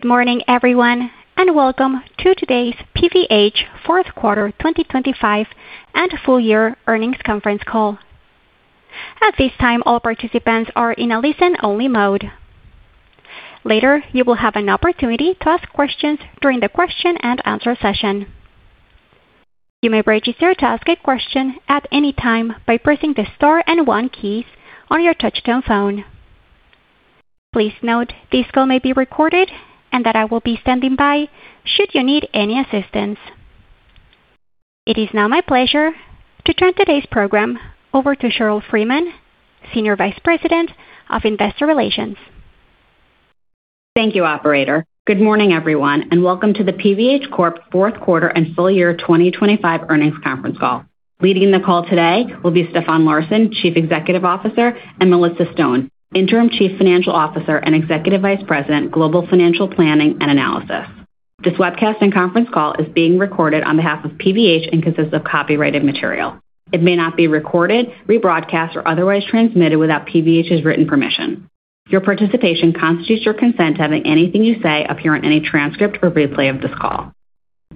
Good morning, everyone, and welcome to today's PVH fourth quarter 2025 and full year earnings conference call. At this time, all participants are in a listen-only mode. Later, you will have an opportunity to ask questions during the question and answer session. You may register to ask a question at any time by pressing the star and one keys on your touchtone phone. Please note this call may be recorded and that I will be standing by should you need any assistance. It is now my pleasure to turn today's program over to Sheryl Freeman, Senior Vice President of Investor Relations. Thank you, operator. Good morning, everyone, and welcome to the PVH Corp. fourth quarter and full year 2025 earnings conference call. Leading the call today will be Stefan Larsson, Chief Executive Officer, and Melissa Stone, Interim Chief Financial Officer and Executive Vice President, Global Financial Planning and Analysis. This webcast and conference call is being recorded on behalf of PVH and consists of copyrighted material. It may not be recorded, rebroadcast, or otherwise transmitted without PVH's written permission. Your participation constitutes your consent to having anything you say appear on any transcript or replay of this call.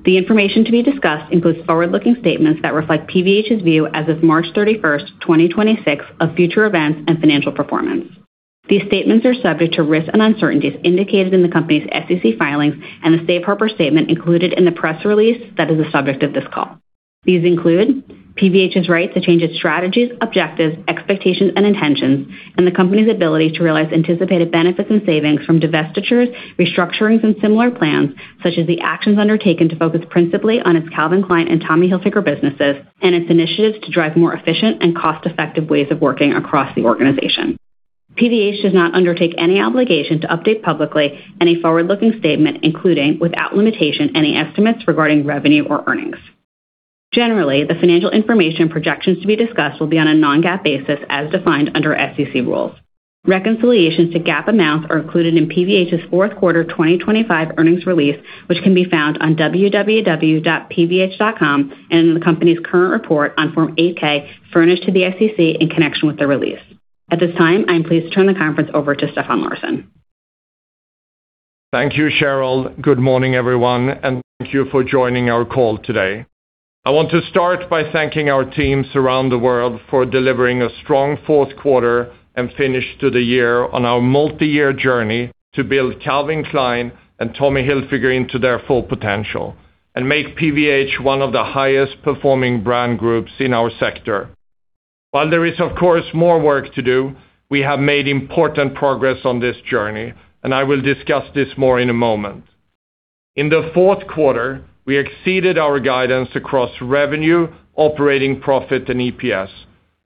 The information to be discussed includes forward-looking statements that reflect PVH's view as of March 31st, 2026, of future events and financial performance. These statements are subject to risks and uncertainties indicated in the company's SEC filings and the safe harbor statement included in the press release that is the subject of this call. These include PVH's right to change its strategies, objectives, expectations, and intentions, and the company's ability to realize anticipated benefits and savings from divestitures, restructurings, and similar plans, such as the actions undertaken to focus principally on its Calvin Klein and Tommy Hilfiger businesses and its initiatives to drive more efficient and cost-effective ways of working across the organization. PVH does not undertake any obligation to update publicly any forward-looking statement, including, without limitation, any estimates regarding revenue or earnings. Generally, the financial information projections to be discussed will be on a non-GAAP basis as defined under SEC rules. Reconciliations to GAAP amounts are included in PVH's fourth quarter 2025 earnings release, which can be found on www.pvh.com and in the company's current report on Form 8-K furnished to the SEC in connection with the release. At this time, I am pleased to turn the conference over to Stefan Larsson. Thank you, Cheryl. Good morning, everyone, and thank you for joining our call today. I want to start by thanking our teams around the world for delivering a strong fourth quarter and finish to the year on our multi-year journey to build Calvin Klein and Tommy Hilfiger into their full potential and make PVH one of the highest performing brand groups in our sector. While there is, of course, more work to do, we have made important progress on this journey, and I will discuss this more in a moment. In the fourth quarter, we exceeded our guidance across revenue, operating profit, and EPS.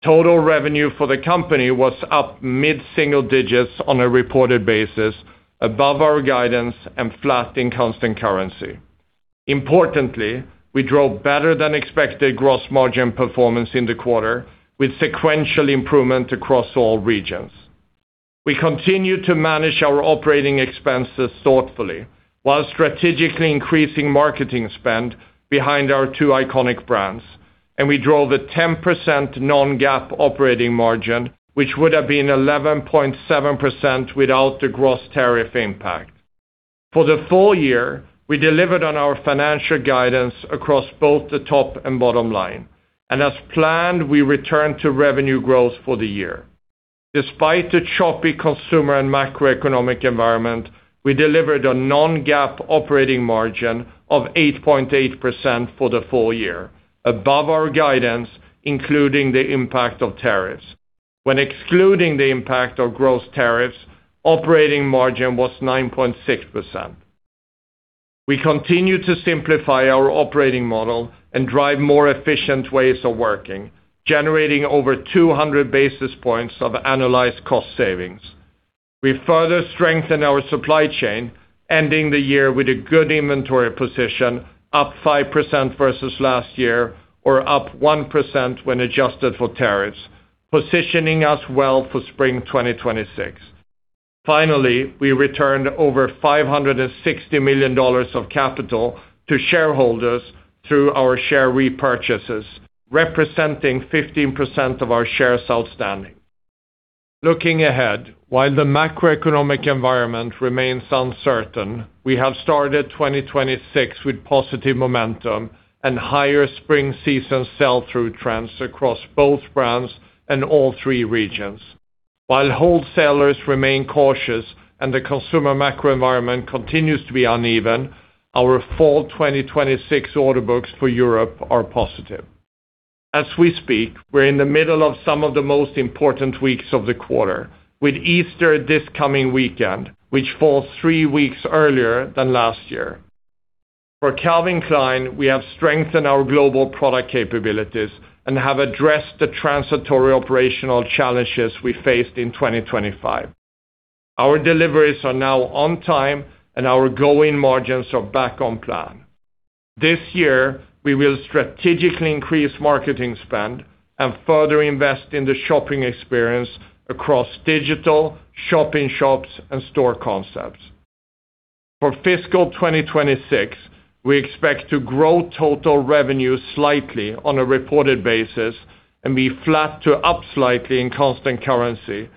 Total revenue for the company was up mid-single digits on a reported basis above our guidance and flat in constant currency. Importantly, we drove better than expected gross margin performance in the quarter with sequential improvement across all regions. We continue to manage our operating expenses thoughtfully while strategically increasing marketing spend behind our two iconic brands. We drove a 10% non-GAAP operating margin, which would have been 11.7% without the gross tariff impact. For the full year, we delivered on our financial guidance across both the top and bottom line. As planned, we returned to revenue growth for the year. Despite the choppy consumer and macroeconomic environment, we delivered a non-GAAP operating margin of 8.8% for the full year, above our guidance, including the impact of tariffs. When excluding the impact of gross tariffs, operating margin was 9.6%. We continue to simplify our operating model and drive more efficient ways of working, generating over 200 basis points of annualized cost savings. We further strengthened our supply chain, ending the year with a good inventory position, up 5% versus last year or up 1% when adjusted for tariffs, positioning us well for spring 2026. Finally, we returned over $560 million of capital to shareholders through our share repurchases, representing 15% of our shares outstanding. Looking ahead, while the macroeconomic environment remains uncertain, we have started 2026 with positive momentum and higher spring season sell-through trends across both brands and all three regions. While wholesalers remain cautious and the consumer macro environment continues to be uneven, our fall 2026 order books for Europe are positive. As we speak, we're in the middle of some of the most important weeks of the quarter with Easter this coming weekend, which falls three weeks earlier than last year. For Calvin Klein, we have strengthened our global product capabilities and have addressed the transitory operational challenges we faced in 2025. Our deliveries are now on time and our growing margins are back on plan. This year, we will strategically increase marketing spend and further invest in the shopping experience across digital, shop-in-shops, and store concepts. For fiscal 2026, we expect to grow total revenue slightly on a reported basis and be flat to up slightly in constant currency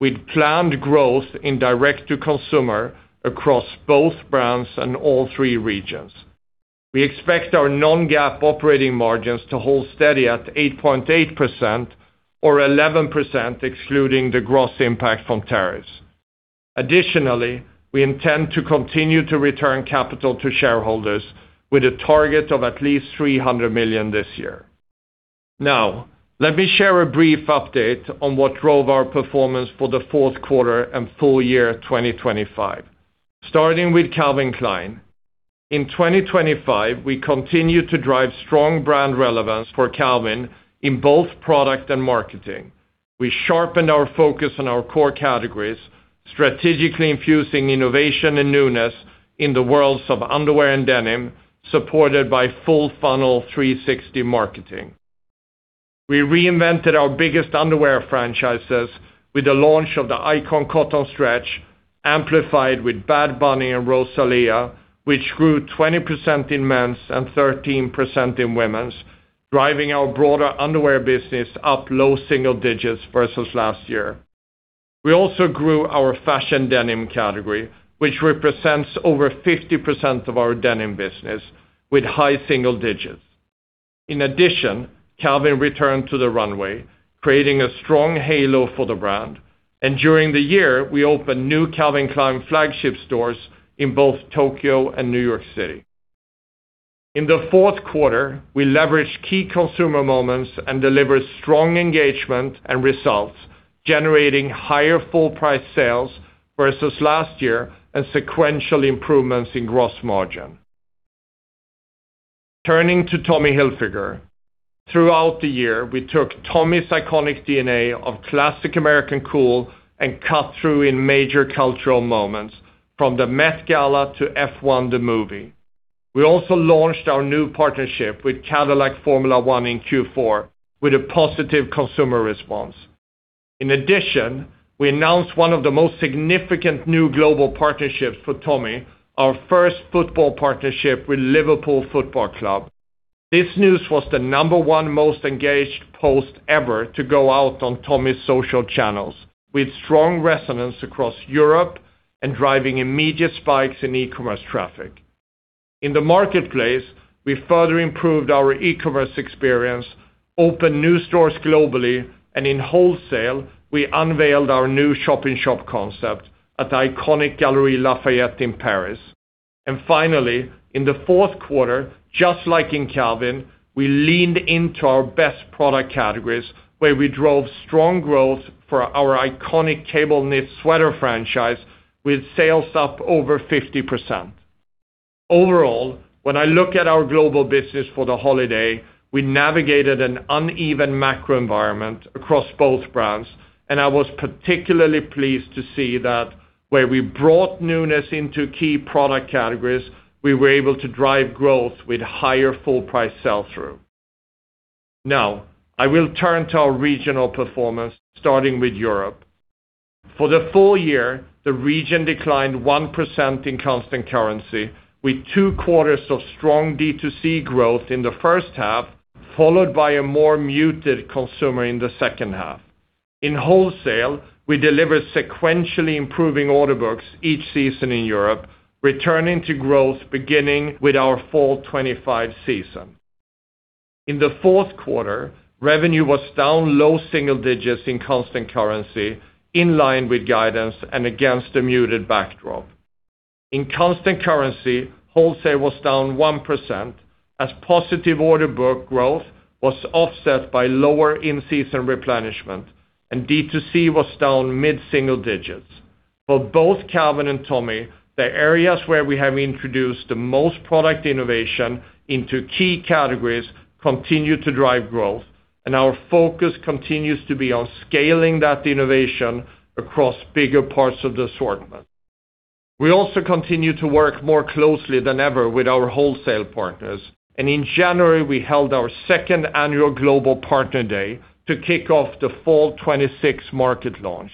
with planned growth in direct-to-consumer across both brands and all three regions. We expect our non-GAAP operating margins to hold steady at 8.8% or 11% excluding the gross impact from tariffs. Additionally, we intend to continue to return capital to shareholders with a target of at least $300 million this year. Now, let me share a brief update on what drove our performance for the fourth quarter and full year 2025. Starting with Calvin Klein. In 2025, we continued to drive strong brand relevance for Calvin in both product and marketing. We sharpened our focus on our core categories, strategically infusing innovation and newness in the worlds of underwear and denim, supported by full funnel 360 marketing. We reinvented our biggest underwear franchises with the launch of the Icon Cotton Stretch, amplified with Bad Bunny and Rosalía, which grew 20% in men's and 13% in women's, driving our broader underwear business up low single digits versus last year. We also grew our fashion denim category, which represents over 50% of our denim business with high single digits. In addition, Calvin returned to the runway, creating a strong halo for the brand, and during the year, we opened new Calvin Klein flagship stores in both Tokyo and New York City. In the fourth quarter, we leveraged key consumer moments and delivered strong engagement and results, generating higher full price sales versus last year and sequential improvements in gross margin. Turning to Tommy Hilfiger. Throughout the year, we took Tommy's iconic DNA of classic American cool and cut through in major cultural moments from the Met Gala to F1 the Movie. We also launched our new partnership with Cadillac Formula 1 in Q4 with a positive consumer response. In addition, we announced one of the most significant new global partnerships for Tommy, our first football partnership with Liverpool Football Club. This news was the number one most engaged post ever to go out on Tommy's social channels with strong resonance across Europe and driving immediate spikes in e-commerce traffic. In the marketplace, we further improved our e-commerce experience, opened new stores globally, and in wholesale, we unveiled our new shop-in-shop concept at the iconic Galeries Lafayette in Paris. Finally, in the fourth quarter, just like in Calvin, we leaned into our best product categories where we drove strong growth for our iconic cable knit sweater franchise with sales up over 50%. Overall, when I look at our global business for the holiday, we navigated an uneven macro environment across both brands, and I was particularly pleased to see that where we brought newness into key product categories, we were able to drive growth with higher full price sell-through. Now, I will turn to our regional performance, starting with Europe. For the full year, the region declined 1% in constant currency, with two quarters of strong D2C growth in the first half, followed by a more muted consumer in the second half. In wholesale, we delivered sequentially improving order books each season in Europe, returning to growth beginning with our fall 2025 season. In the fourth quarter, revenue was down low single digits in constant currency, in line with guidance and against a muted backdrop. In constant currency, wholesale was down 1% as positive order book growth was offset by lower in-season replenishment and D2C was down mid-single digits. For both Calvin and Tommy, the areas where we have introduced the most product innovation into key categories continue to drive growth, and our focus continues to be on scaling that innovation across bigger parts of the assortment. We also continue to work more closely than ever with our wholesale partners, and in January, we held our second annual global partner day to kick off the fall 2026 market launch.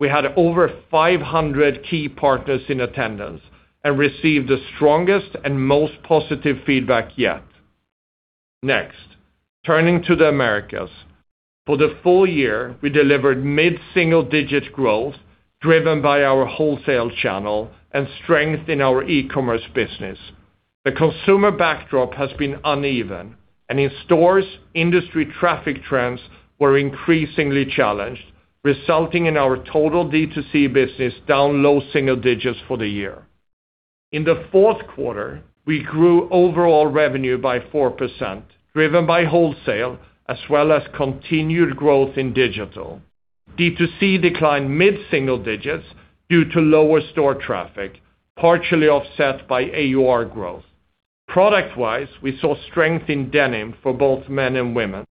We had over 500 key partners in attendance and received the strongest and most positive feedback yet. Next, turning to the Americas. For the full year, we delivered mid-single-digit growth driven by our wholesale channel and strength in our e-commerce business. The consumer backdrop has been uneven, and in stores, industry traffic trends were increasingly challenged, resulting in our total D2C business down low single digits for the year. In the fourth quarter, we grew overall revenue by 4%, driven by wholesale as well as continued growth in digital. D2C declined mid-single digits due to lower store traffic, partially offset by AUR growth. Product-wise, we saw strength in denim for both men and women.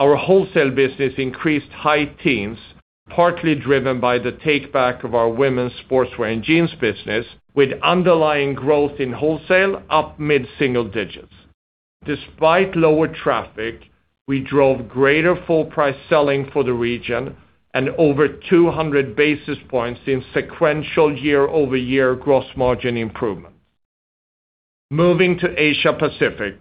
Our wholesale business increased high teens, partly driven by the take-back of our women's sportswear and jeans business, with underlying growth in wholesale up mid-single digits. Despite lower traffic, we drove greater full price selling for the region and over 200 basis points in sequential year-over-year gross margin improvement. Moving to Asia Pacific,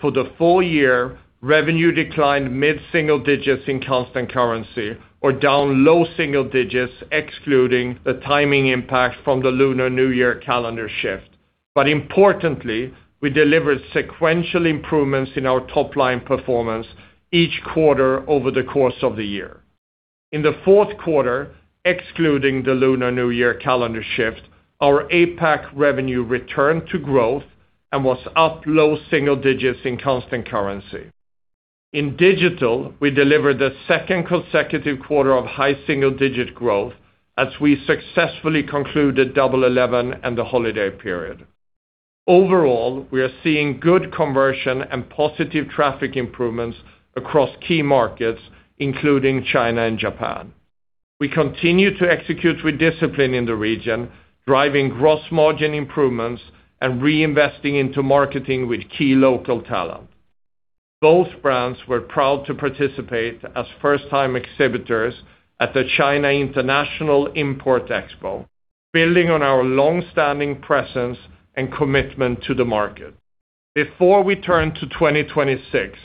for the full year, revenue declined mid-single digits in constant currency or down low single digits excluding the timing impact from the Lunar New Year calendar shift. Importantly, we delivered sequential improvements in our top line performance each quarter over the course of the year. In the fourth quarter, excluding the Lunar New Year calendar shift, our APAC revenue returned to growth and was up low single digits in constant currency. In digital, we delivered the second consecutive quarter of high single-digit growth as we successfully concluded Double Eleven and the holiday period. Overall, we are seeing good conversion and positive traffic improvements across key markets, including China and Japan. We continue to execute with discipline in the region, driving gross margin improvements and reinvesting into marketing with key local talent. Both brands were proud to participate as first-time exhibitors at the China International Import Expo, building on our long-standing presence and commitment to the market. Before we turn to 2026,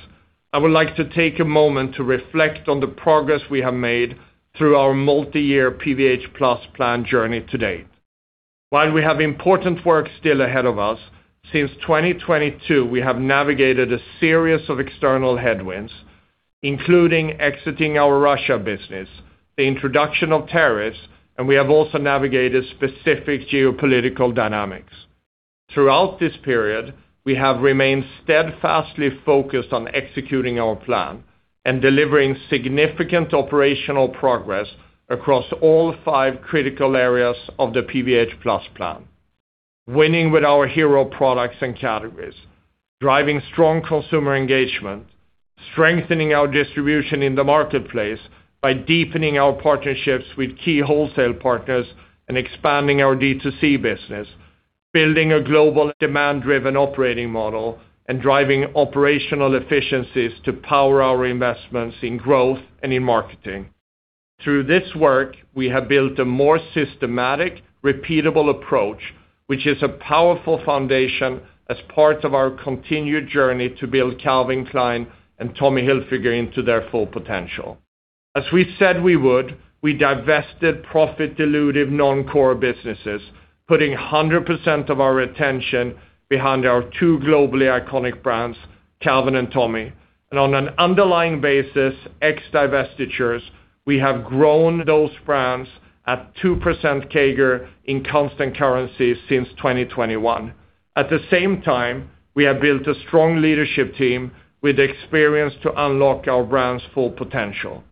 I would like to take a moment to reflect on the progress we have made through our multi-year PVH+ Plan journey to date. While we have important work still ahead of us, since 2022, we have navigated a series of external headwinds, including exiting our Russia business, the introduction of tariffs, and we have also navigated specific geopolitical dynamics. Throughout this period, we have remained steadfastly focused on executing our plan and delivering significant operational progress across all five critical areas of the PVH+ Plan. Winning with our hero products and categories, driving strong consumer engagement, strengthening our distribution in the marketplace by deepening our partnerships with key wholesale partners and expanding our D2C business, building a global demand-driven operating model, and driving operational efficiencies to power our investments in growth and in marketing. Through this work, we have built a more systematic, repeatable approach, which is a powerful foundation as part of our continued journey to build Calvin Klein and Tommy Hilfiger into their full potential. As we said we would, we divested profit dilutive non-core businesses, putting 100% of our attention behind our two globally iconic brands, Calvin and Tommy. On an underlying basis, ex divestitures, we have grown those brands at 2% CAGR in constant currency since 2021. At the same time, we have built a strong leadership team with experience to unlock our brand's full potential.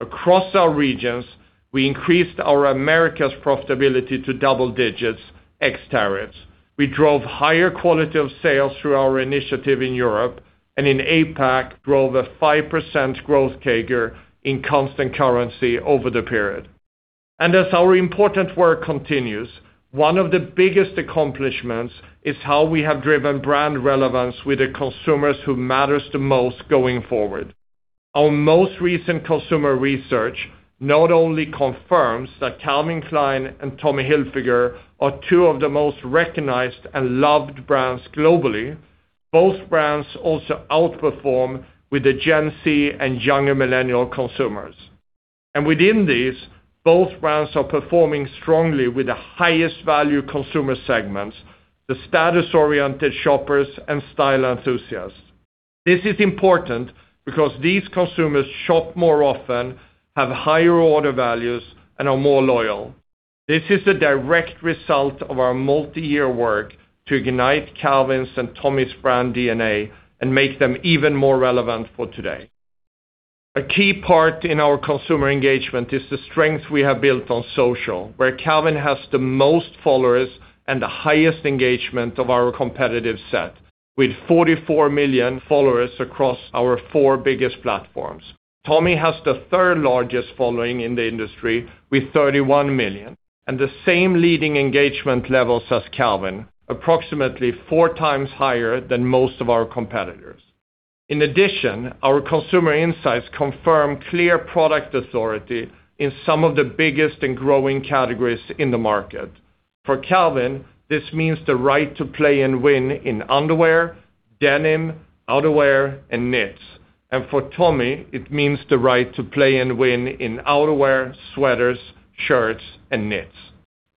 Across our regions, we increased our Americas profitability to double-digits ex tariffs. We drove higher quality of sales through our initiative in Europe and in APAC, drove a 5% growth CAGR in constant currency over the period. As our important work continues, one of the biggest accomplishments is how we have driven brand relevance with the consumers who matters the most going forward. Our most recent consumer research not only confirms that Calvin Klein and Tommy Hilfiger are two of the most recognized and loved brands globally. Both brands also outperform with the Gen Z and younger millennial consumers. Within these, both brands are performing strongly with the highest value consumer segments, the status-oriented shoppers and style enthusiasts. This is important because these consumers shop more often, have higher order values, and are more loyal. This is a direct result of our multi-year work to ignite Calvin Klein's and Tommy Hilfiger's brand DNA and make them even more relevant for today. A key part in our consumer engagement is the strength we have built on social, where Calvin Klein has the most followers and the highest engagement of our competitive set. With 44 million followers across our four biggest platforms. Tommy Hilfiger has the third largest following in the industry with 31 million, and the same leading engagement levels as Calvin Klein, approximately 4x higher than most of our competitors. In addition, our consumer insights confirm clear product authority in some of the biggest and growing categories in the market. For Calvin Klein, this means the right to play and win in underwear, denim, outerwear, and knits. For Tommy Hilfiger, it means the right to play and win in outerwear, sweaters, shirts, and knits.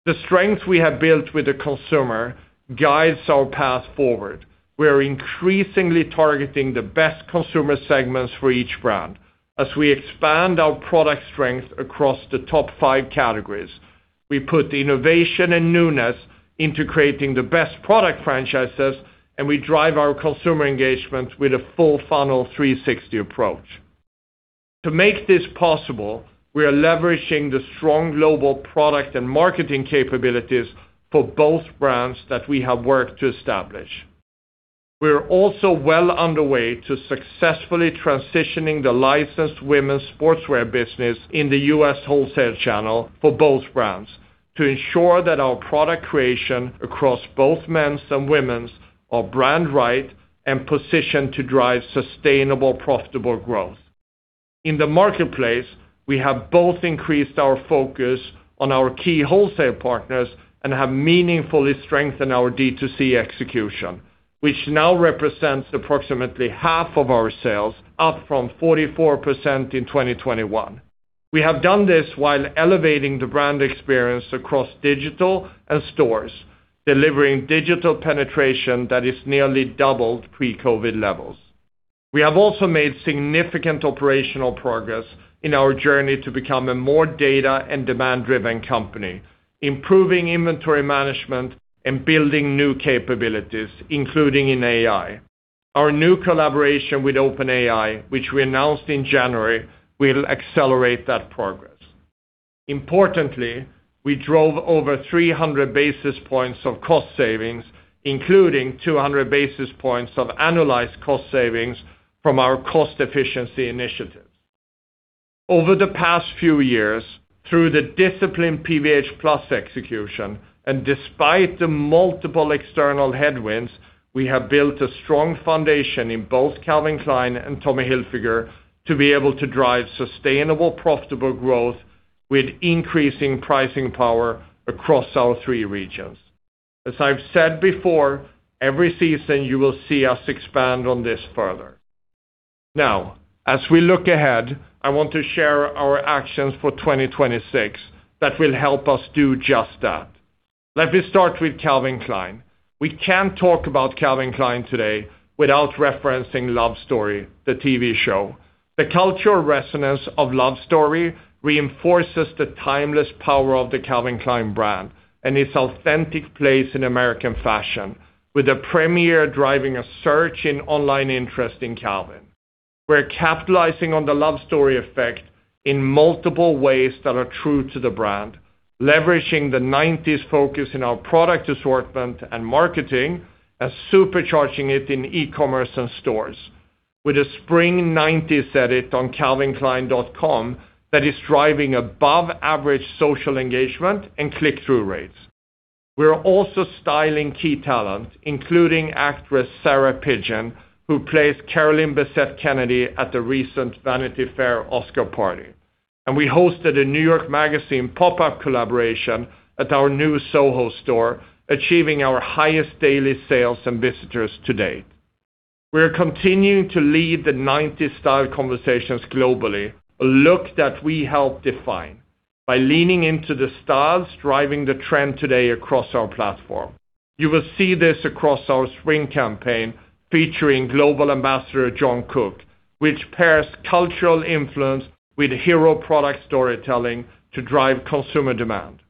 The strength we have built with the consumer guides our path forward. We are increasingly targeting the best consumer segments for each brand as we expand our product strength across the top five categories. We put innovation and newness into creating the best product franchises, and we drive our consumer engagement with a full funnel 360 approach. To make this possible, we are leveraging the strong global product and marketing capabilities for both brands that we have worked to establish. We are also well underway to successfully transitioning the licensed women's sportswear business in the U.S. wholesale channel for both brands. To ensure that our product creation across both men's and women's are brand-right and positioned to drive sustainable, profitable growth. In the marketplace, we have both increased our focus on our key wholesale partners and have meaningfully strengthened our D2C execution, which now represents approximately half of our sales, up from 44% in 2021. We have done this while elevating the brand experience across digital and stores, delivering digital penetration that is nearly double pre-COVID levels. We have also made significant operational progress in our journey to become a more data and demand-driven company, improving inventory management and building new capabilities, including in AI. Our new collaboration with OpenAI, which we announced in January, will accelerate that progress. Importantly, we drove over 300 basis points of cost savings, including 200 basis points of annualized cost savings from our cost efficiency initiatives. Over the past few years, through the disciplined PVH+ execution, and despite the multiple external headwinds, we have built a strong foundation in both Calvin Klein and Tommy Hilfiger to be able to drive sustainable, profitable growth with increasing pricing power across our three regions. As I've said before, every season you will see us expand on this further. Now, as we look ahead, I want to share our actions for 2026 that will help us do just that. Let me start with Calvin Klein. We can't talk about Calvin Klein today without referencing Love Story, the TV show. The cultural resonance of Love Story reinforces the timeless power of the Calvin Klein brand and its authentic place in American fashion, with the premiere driving a surge in online interest in Calvin. We're capitalizing on the Love Story effect in multiple ways that are true to the brand, leveraging the 1990s focus in our product assortment and marketing and supercharging it in e-commerce and stores with a spring 1990s edit on calvinklein.com that is driving above average social engagement and click-through rates. We're also styling key talent, including actress Sarah Pidgeon, who plays Carolyn Bessette Kennedy at the recent Vanity Fair Oscar party. We hosted a New York Magazine pop-up collaboration at our new Soho store, achieving our highest daily sales and visitors to date. We are continuing to lead the 1990s style conversations globally, a look that we helped define by leaning into the styles driving the trend today across our platform. You will see this across our spring campaign featuring global ambassador Jung Kook, which pairs cultural influence with hero product storytelling to drive consumer demand.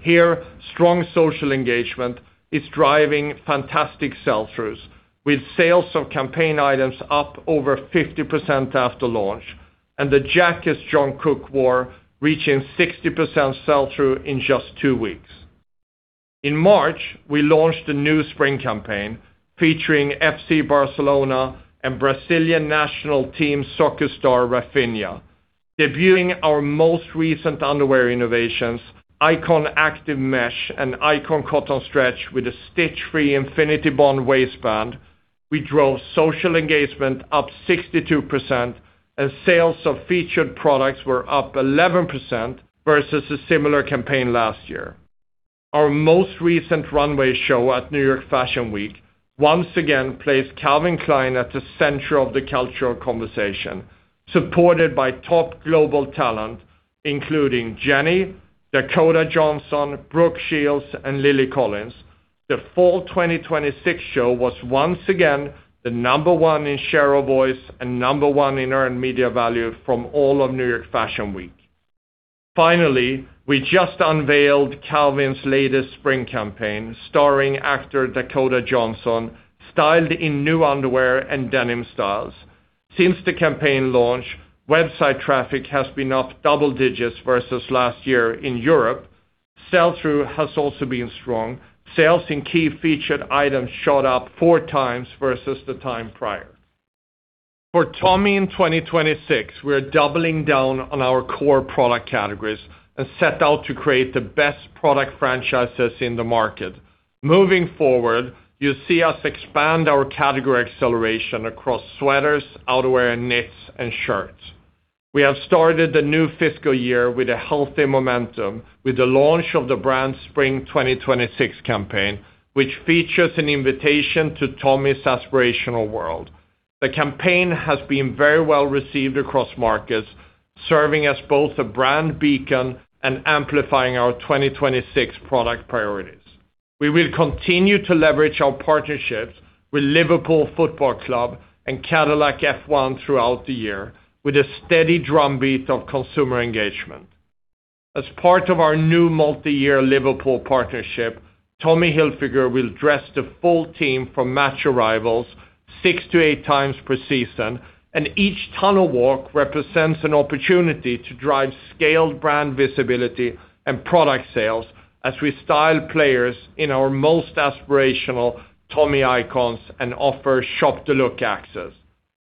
Here, strong social engagement is driving fantastic sell-throughs, with sales of campaign items up over 50% after launch, and the jacket Jung Kook wore reaching 60% sell-through in just two weeks. In March, we launched a new spring campaign featuring FC Barcelona and Brazilian national team soccer star Raphinha. Debuting our most recent underwear innovations, Icon Active Mesh and Icon Cotton Stretch with a stitch-free infinity bond waistband, we drove social engagement up 62% and sales of featured products were up 11% versus a similar campaign last year. Our most recent runway show at New York Fashion Week once again placed Calvin Klein at the center of the cultural conversation, supported by top global talent, including Jennie, Dakota Johnson, Brooke Shields, and Lily Collins. The fall 2026 show was once again the number one in share of voice and number one in earned media value from all of New York Fashion Week. Finally, we just unveiled Calvin's latest spring campaign, starring actor Dakota Johnson, styled in new underwear and denim styles. Since the campaign launch, website traffic has been up double-digit versus last year in Europe. Sell-through has also been strong. Sales in key featured items shot up 4x versus the time prior. For Tommy in 2026, we're doubling down on our core product categories and set out to create the best product franchises in the market. Moving forward, you'll see us expand our category acceleration across sweaters, outerwear, knits, and shirts. We have started the new fiscal year with a healthy momentum with the launch of the brand's spring 2026 campaign, which features an invitation to Tommy's aspirational world. The campaign has been very well-received across markets, serving as both a brand beacon and amplifying our 2026 product priorities. We will continue to leverage our partnerships with Liverpool Football Club and Cadillac F1 throughout the year with a steady drumbeat of consumer engagement. As part of our new multiyear Liverpool partnership, Tommy Hilfiger will dress the full team for match arrivals 6x-8x per season, and each tunnel walk represents an opportunity to drive scaled brand visibility and product sales as we style players in our most aspirational Tommy icons and offer shop-to-look access.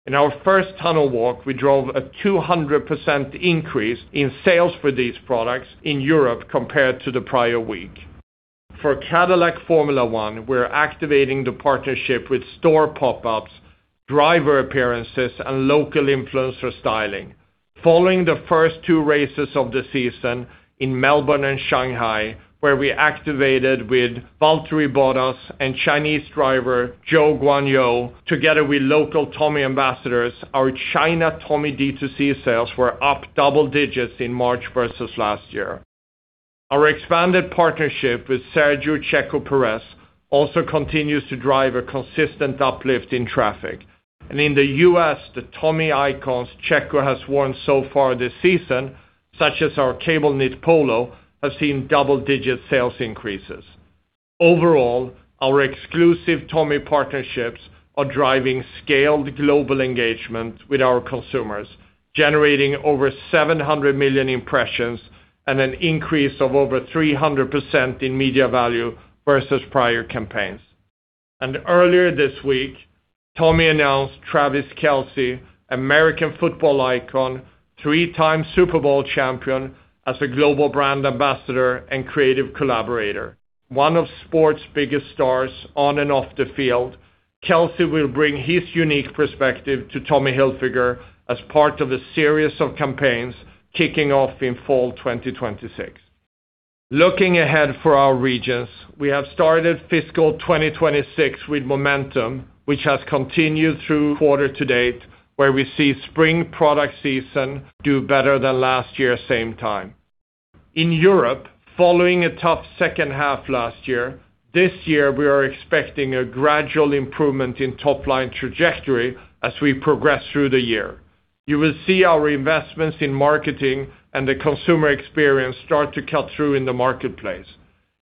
In our first tunnel walk, we drove a 200% increase in sales for these products in Europe compared to the prior week. For Cadillac Formula 1, we're activating the partnership with store pop-ups, driver appearances, and local influencer styling. Following the first two races of the season in Melbourne and Shanghai, where we activated with Valtteri Bottas and Chinese driver Zhou Guanyu, together with local Tommy ambassadors, our China Tommy D2C sales were up double-digit in March versus last year. Our expanded partnership with Sergio "Checo" Pérez also continues to drive a consistent uplift in traffic. In the U.S., the Tommy icons Checo has worn so far this season, such as our cable knit polo, have seen double-digit sales increases. Overall, our exclusive Tommy partnerships are driving scaled global engagement with our consumers, generating over 700 million impressions and an increase of over 300% in media value versus prior campaigns. Earlier this week, Tommy announced Travis Kelce, American football icon, three-time Super Bowl champion, as a global brand ambassador and creative collaborator. One of sport's biggest stars on and off the field, Kelce will bring his unique perspective to Tommy Hilfiger as part of a series of campaigns kicking off in fall 2026. Looking ahead for our regions, we have started fiscal 2026 with momentum, which has continued through quarter to date, where we see spring product season do better than last year same time. In Europe, following a tough second half last year, this year we are expecting a gradual improvement in top-line trajectory as we progress through the year. You will see our investments in marketing and the consumer experience start to cut through in the marketplace.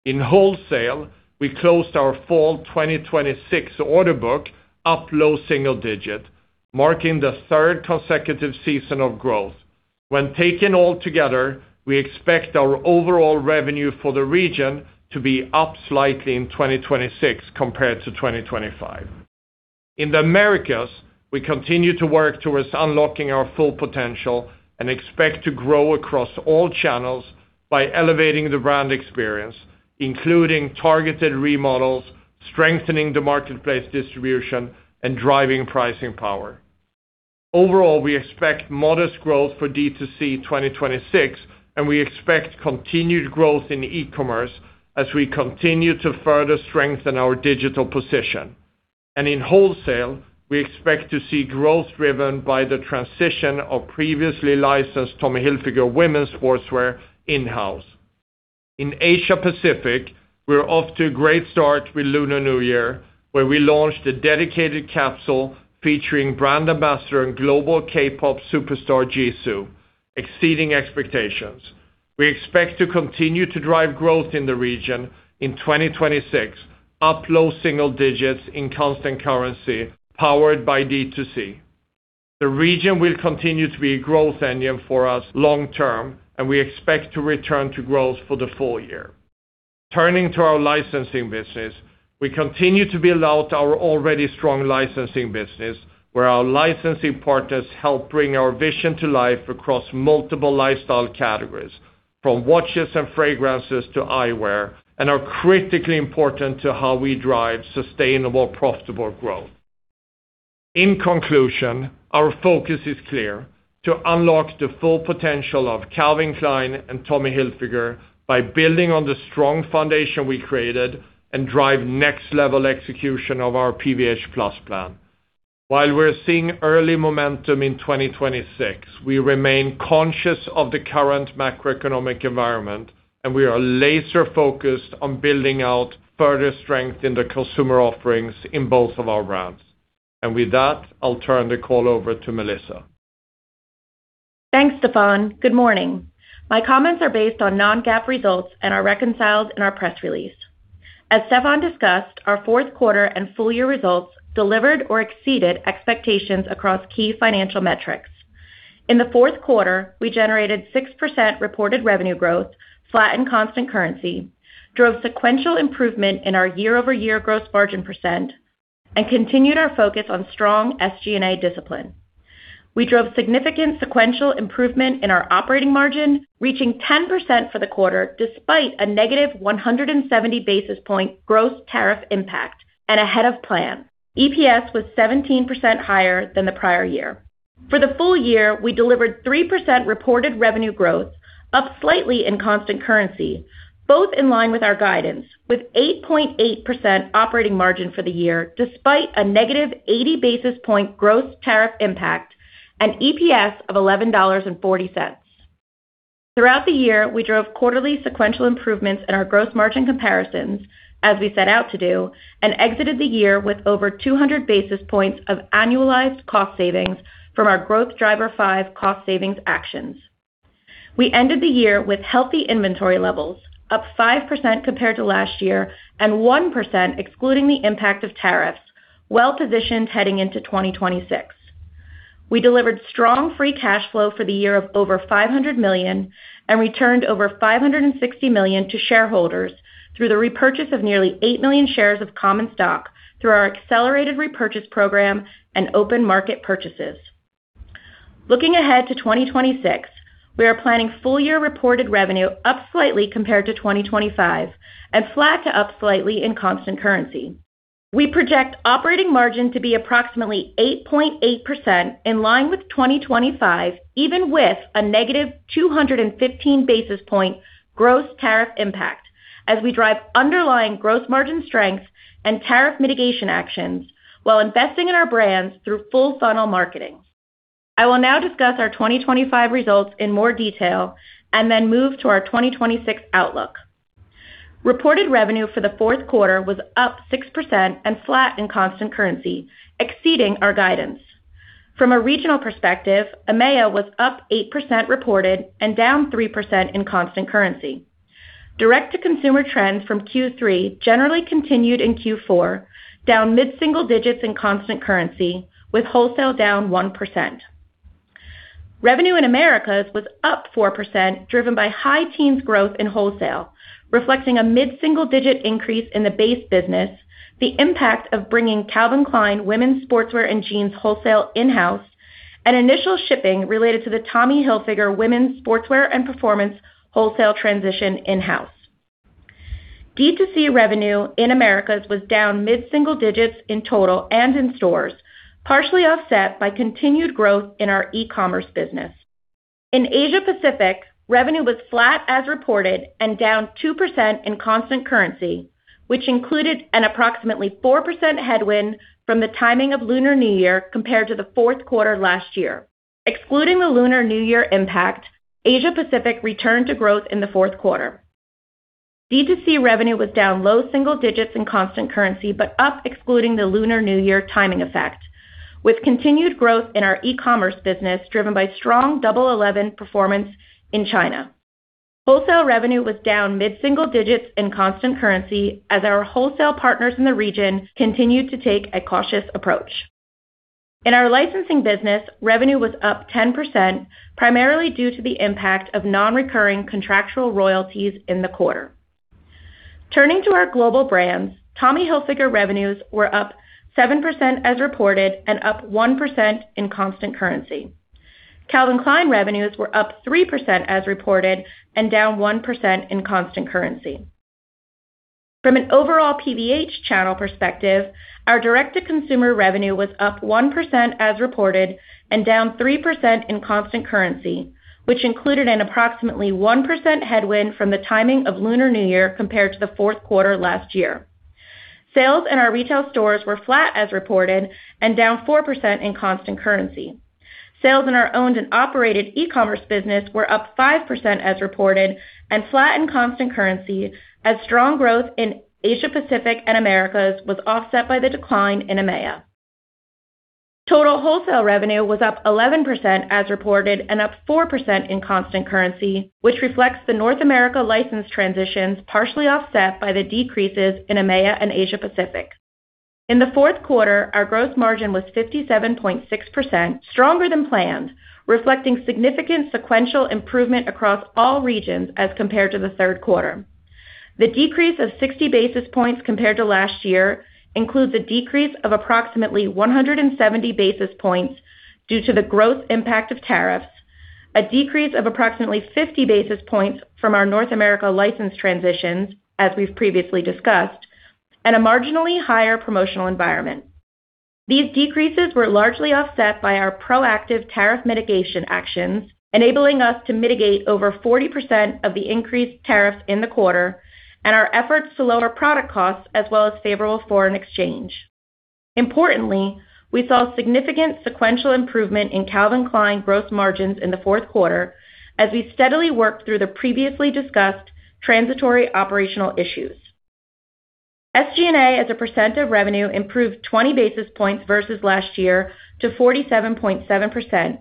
In wholesale, we closed our fall 2026 order book up low single digits, marking the third consecutive season of growth. When taken all together, we expect our overall revenue for the region to be up slightly in 2026 compared to 2025. In the Americas, we continue to work towards unlocking our full potential and expect to grow across all channels by elevating the brand experience, including targeted remodels, strengthening the marketplace distribution, and driving pricing power. Overall, we expect modest growth for D2C 2026, and we expect continued growth in e-commerce as we continue to further strengthen our digital position. In wholesale, we expect to see growth driven by the transition of previously licensed Tommy Hilfiger women's sportswear in-house. In Asia Pacific, we're off to a great start with Lunar New Year, where we launched a dedicated capsule featuring brand ambassador and global K-pop superstar Jisoo, exceeding expectations. We expect to continue to drive growth in the region in 2026, up low single digits in constant currency, powered by D2C. The region will continue to be a growth engine for us long term, and we expect to return to growth for the full year. Turning to our licensing business, we continue to build out our already strong licensing business, where our licensing partners help bring our vision to life across multiple lifestyle categories, from watches and fragrances to eyewear, and are critically important to how we drive sustainable, profitable growth. In conclusion, our focus is clear. To unlock the full potential of Calvin Klein and Tommy Hilfiger by building on the strong foundation we created and drive next-level execution of our PVH+ Plan. While we're seeing early momentum in 2026, we remain conscious of the current macroeconomic environment, and we are laser-focused on building out further strength in the consumer offerings in both of our brands. With that, I'll turn the call over to Melissa. Thanks, Stefan. Good morning. My comments are based on non-GAAP results and are reconciled in our press release. As Stefan discussed, our fourth quarter and full year results delivered or exceeded expectations across key financial metrics. In the fourth quarter, we generated 6% reported revenue growth, flat in constant currency, drove sequential improvement in our year-over-year gross margin percent, and continued our focus on strong SG&A discipline. We drove significant sequential improvement in our operating margin, reaching 10% for the quarter, despite a -170 basis point gross tariff impact and ahead of plan. EPS was 17% higher than the prior year. For the full year, we delivered 3% reported revenue growth, up slightly in constant currency, both in line with our guidance, with 8.8% operating margin for the year, despite a -80 basis points gross tariff impact and EPS of $11.40. Throughout the year, we drove quarterly sequential improvements in our gross margin comparisons, as we set out to do, and exited the year with over 200 basis points of annualized cost savings from our Growth Driver Five cost savings actions. We ended the year with healthy inventory levels, up 5% compared to last year and 1% excluding the impact of tariffs, well-positioned heading into 2026. We delivered strong free cash flow for the year of over $500 million, and returned over $560 million to shareholders through the repurchase of nearly $8 million shares of common stock through our accelerated repurchase program and open market purchases. Looking ahead to 2026, we are planning full year reported revenue up slightly compared to 2025, and flat to up slightly in constant currency. We project operating margin to be approximately 8.8% in line with 2025, even with a -215 basis point gross tariff impact as we drive underlying gross margin strength and tariff mitigation actions while investing in our brands through full funnel marketing. I will now discuss our 2025 results in more detail and then move to our 2026 outlook. Reported revenue for the fourth quarter was up 6% and flat in constant currency, exceeding our guidance. From a regional perspective, EMEA was up 8% reported and down 3% in constant currency. Direct to consumer trends from Q3 generally continued in Q4, down mid-single digits in constant currency with wholesale down 1%. Revenue in Americas was up 4% driven by high teens growth in wholesale, reflecting a mid-single digit increase in the base business, the impact of bringing Calvin Klein women's sportswear and jeans wholesale in-house, and initial shipping related to the Tommy Hilfiger women's sportswear and performance wholesale transition in-house. D2C revenue in Americas was down mid-single digits in total and in stores, partially offset by continued growth in our e-commerce business. In Asia-Pacific, revenue was flat as reported and down 2% in constant currency, which included an approximately 4% headwind from the timing of Lunar New Year compared to the fourth quarter last year. Excluding the Lunar New Year impact, Asia-Pacific returned to growth in the fourth quarter. D2C revenue was down low single digits in constant currency, but up excluding the Lunar New Year timing effect, with continued growth in our e-commerce business driven by strong Double Eleven performance in China. Wholesale revenue was down mid-single digits in constant currency as our wholesale partners in the region continued to take a cautious approach. In our licensing business, revenue was up 10%, primarily due to the impact of non-recurring contractual royalties in the quarter. Turning to our global brands, Tommy Hilfiger revenues were up 7% as reported, and up 1% in constant currency. Calvin Klein revenues were up 3% as reported and down 1% in constant currency. From an overall PVH channel perspective, our direct-to-consumer revenue was up 1% as reported and down 3% in constant currency, which included an approximately 1% headwind from the timing of Lunar New Year compared to the fourth quarter last year. Sales in our retail stores were flat as reported and down 4% in constant currency. Sales in our owned and operated e-commerce business were up 5% as reported and flat in constant currency as strong growth in Asia-Pacific and Americas was offset by the decline in EMEA. Total wholesale revenue was up 11% as reported and up 4% in constant currency, which reflects the North America license transitions, partially offset by the decreases in EMEA and Asia-Pacific. In the fourth quarter, our gross margin was 57.6% stronger than planned, reflecting significant sequential improvement across all regions as compared to the third quarter. The decrease of 60 basis points compared to last year includes a decrease of approximately 170 basis points due to the gross impact of tariffs, a decrease of approximately 50 basis points from our North America license transitions, as we've previously discussed, and a marginally higher promotional environment. These decreases were largely offset by our proactive tariff mitigation actions, enabling us to mitigate over 40% of the increased tariff in the quarter and our efforts to lower product costs as well as favorable foreign exchange. Importantly, we saw significant sequential improvement in Calvin Klein gross margins in the fourth quarter as we steadily worked through the previously discussed transitory operational issues. SG&A as a percent of revenue improved 20 basis points versus last year to 47.7%,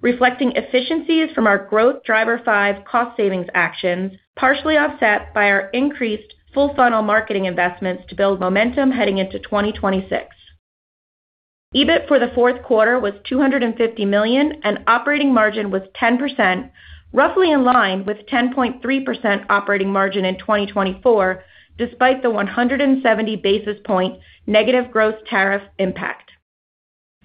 reflecting efficiencies from our Growth Driver Five cost savings actions, partially offset by our increased full funnel marketing investments to build momentum heading into 2026. EBIT for the fourth quarter was $250 million, and operating margin was 10%, roughly in line with 10.3% operating margin in 2024, despite the 170 basis point negative gross tariff impact.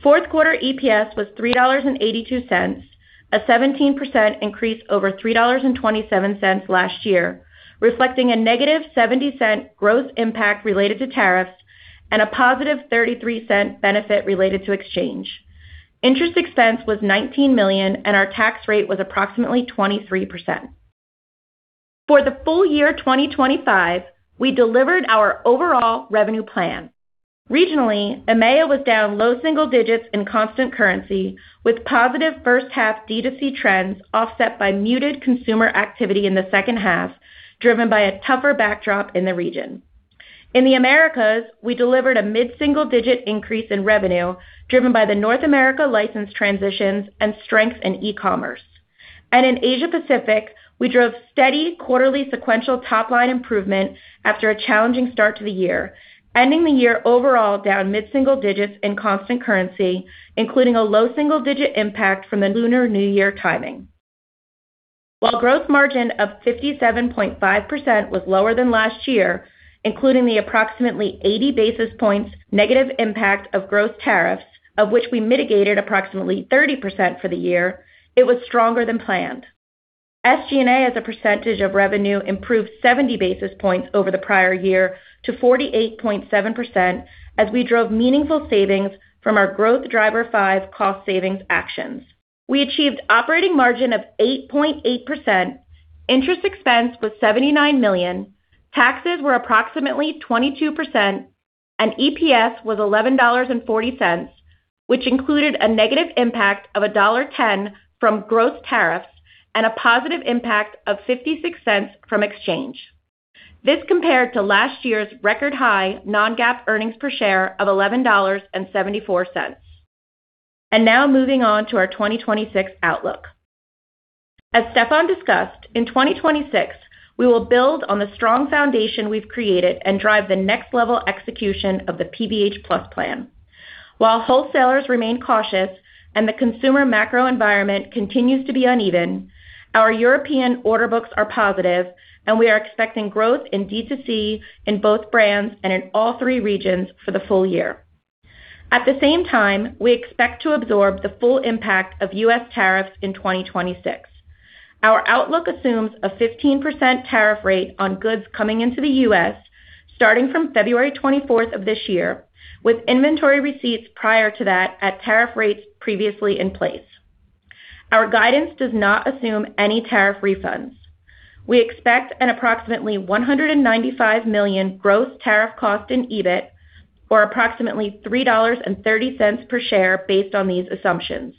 Fourth quarter EPS was $3.82, a 17% increase over $3.27 last year, reflecting a -$0.70 gross impact related to tariffs and a +$0.33 benefit related to exchange. Interest expense was $19 million, and our tax rate was approximately 23%. For the full year 2025, we delivered our overall revenue plan. Regionally, EMEA was down low single digits in constant currency, with positive first half D2C trends offset by muted consumer activity in the second half, driven by a tougher backdrop in the region. In the Americas, we delivered a mid-single-digit increase in revenue, driven by the North America license transitions and strength in e-commerce. In Asia Pacific, we drove steady quarterly sequential top-line improvement after a challenging start to the year, ending the year overall down mid-single digits in constant currency, including a low single-digit impact from the Lunar New Year timing. While gross margin of 57.5% was lower than last year, including the approximately 80 basis points negative impact of tariffs, of which we mitigated approximately 30% for the year, it was stronger than planned. SG&A as a percentage of revenue improved 70 basis points over the prior year to 48.7% as we drove meaningful savings from our Growth Driver Five cost savings actions. We achieved operating margin of 8.8%. Interest expense was $79 million. Taxes were approximately 22%. EPS was $11.40, which included a negative impact of $1.10 from gross tariffs and a positive impact of $0.56 from exchange. This compared to last year's record high non-GAAP earnings per share of $11.74. Now moving on to our 2026 outlook. As Stefan discussed, in 2026, we will build on the strong foundation we've created and drive the next level execution of the PVH+ Plan. While wholesalers remain cautious and the consumer macro environment continues to be uneven, our European order books are positive, and we are expecting growth in D2C in both brands and in all three regions for the full year. At the same time, we expect to absorb the full impact of U.S. tariffs in 2026. Our outlook assumes a 15% tariff rate on goods coming into the U.S. starting from February 24 of this year, with inventory receipts prior to that at tariff rates previously in place. Our guidance does not assume any tariff refunds. We expect an approximately $195 million gross tariff cost in EBIT or approximately $3.30 per share based on these assumptions.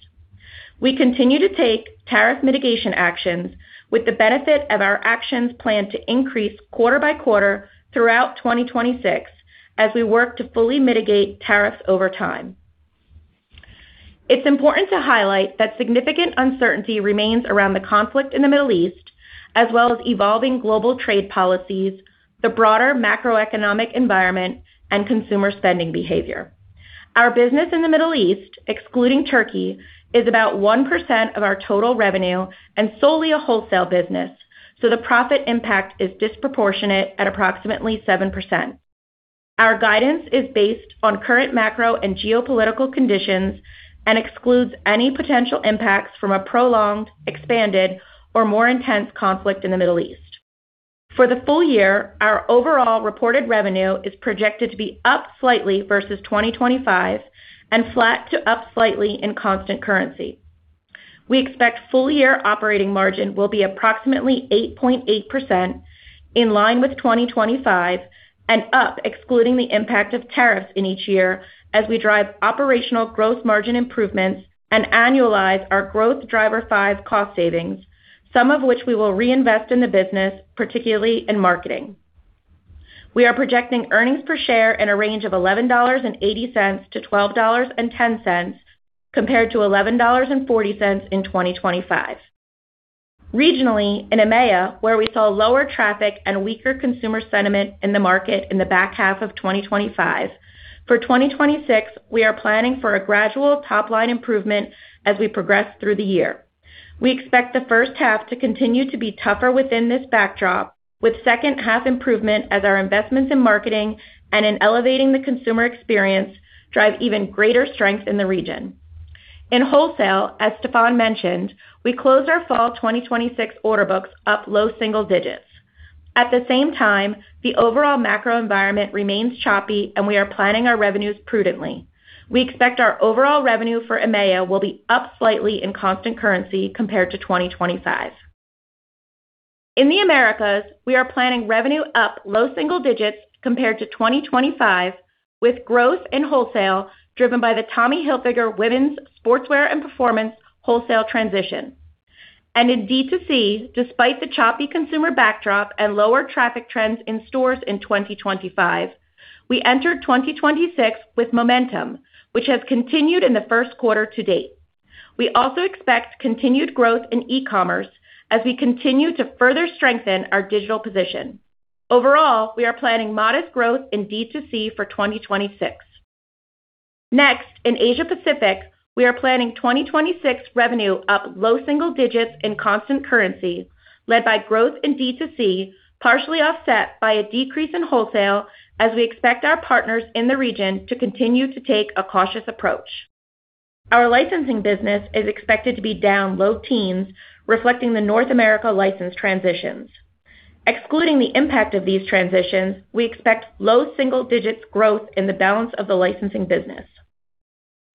We continue to take tariff mitigation actions with the benefit of our actions planned to increase quarter by quarter throughout 2026 as we work to fully mitigate tariffs over time. It's important to highlight that significant uncertainty remains around the conflict in the Middle East as well as evolving global trade policies, the broader macroeconomic environment and consumer spending behavior. Our business in the Middle East, excluding Turkey, is about 1% of our total revenue and solely a wholesale business, so the profit impact is disproportionate at approximately 7%. Our guidance is based on current macro and geopolitical conditions and excludes any potential impacts from a prolonged, expanded, or more intense conflict in the Middle East. For the full year, our overall reported revenue is projected to be up slightly versus 2025 and flat to up slightly in constant currency. We expect full-year operating margin will be approximately 8.8%, in line with 2025, and up excluding the impact of tariffs in each year as we drive operational growth margin improvements and annualize our Growth Driver Five cost savings, some of which we will reinvest in the business, particularly in marketing. We are projecting earnings per share in a range of $11.80-$12.10 compared to $11.40 in 2025. Regionally, in EMEA, where we saw lower traffic and weaker consumer sentiment in the market in the back half of 2025, for 2026, we are planning for a gradual top-line improvement as we progress through the year. We expect the first half to continue to be tougher within this backdrop with second half improvement as our investments in marketing and in elevating the consumer experience drive even greater strength in the region. In wholesale, as Stefan mentioned, we closed our fall 2026 order books up low single digits. At the same time, the overall macro environment remains choppy, and we are planning our revenues prudently. We expect our overall revenue for EMEA will be up slightly in constant currency compared to 2025. In the Americas, we are planning revenue up low single digits compared to 2025, with growth in wholesale driven by the Tommy Hilfiger women's sportswear and performance wholesale transition. In D2C, despite the choppy consumer backdrop and lower traffic trends in stores in 2025, we entered 2026 with momentum, which has continued in the first quarter to date. We also expect continued growth in e-commerce as we continue to further strengthen our digital position. Overall, we are planning modest growth in D2C for 2026. Next, in Asia Pacific, we are planning 2026 revenue up low single digits in constant currency led by growth in D2C, partially offset by a decrease in wholesale as we expect our partners in the region to continue to take a cautious approach. Our licensing business is expected to be down low teens, reflecting the North America license transitions. Excluding the impact of these transitions, we expect low double single digits growth in the balance of the licensing business.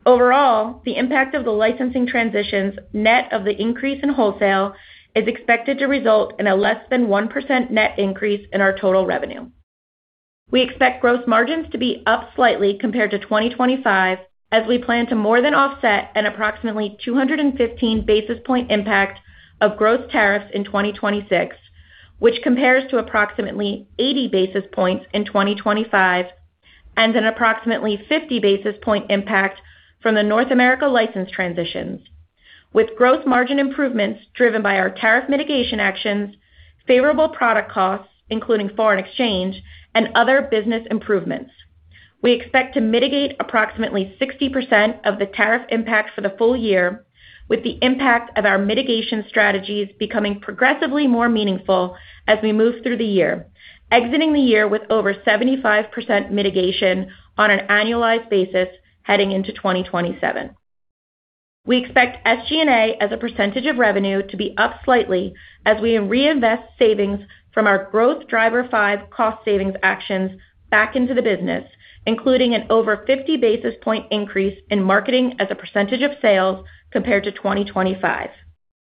Overall, the impact of the licensing transitions, net of the increase in wholesale, is expected to result in a less than 1% net increase in our total revenue. We expect gross margins to be up slightly compared to 2025 as we plan to more than offset an approximately 215 basis point impact of gross tariffs in 2026. Which compares to approximately 80 basis points in 2025 and an approximately 50 basis point impact from the North America license transitions. With gross margin improvements driven by our tariff mitigation actions, favorable product costs, including foreign exchange and other business improvements. We expect to mitigate approximately 60% of the tariff impact for the full year, with the impact of our mitigation strategies becoming progressively more meaningful as we move through the year, exiting the year with over 75% mitigation on an annualized basis heading into 2027. We expect SG&A as a percentage of revenue to be up slightly as we reinvest savings from our Growth Driver Five cost savings actions back into the business, including an over 50 basis point increase in marketing as a percentage of sales compared to 2025.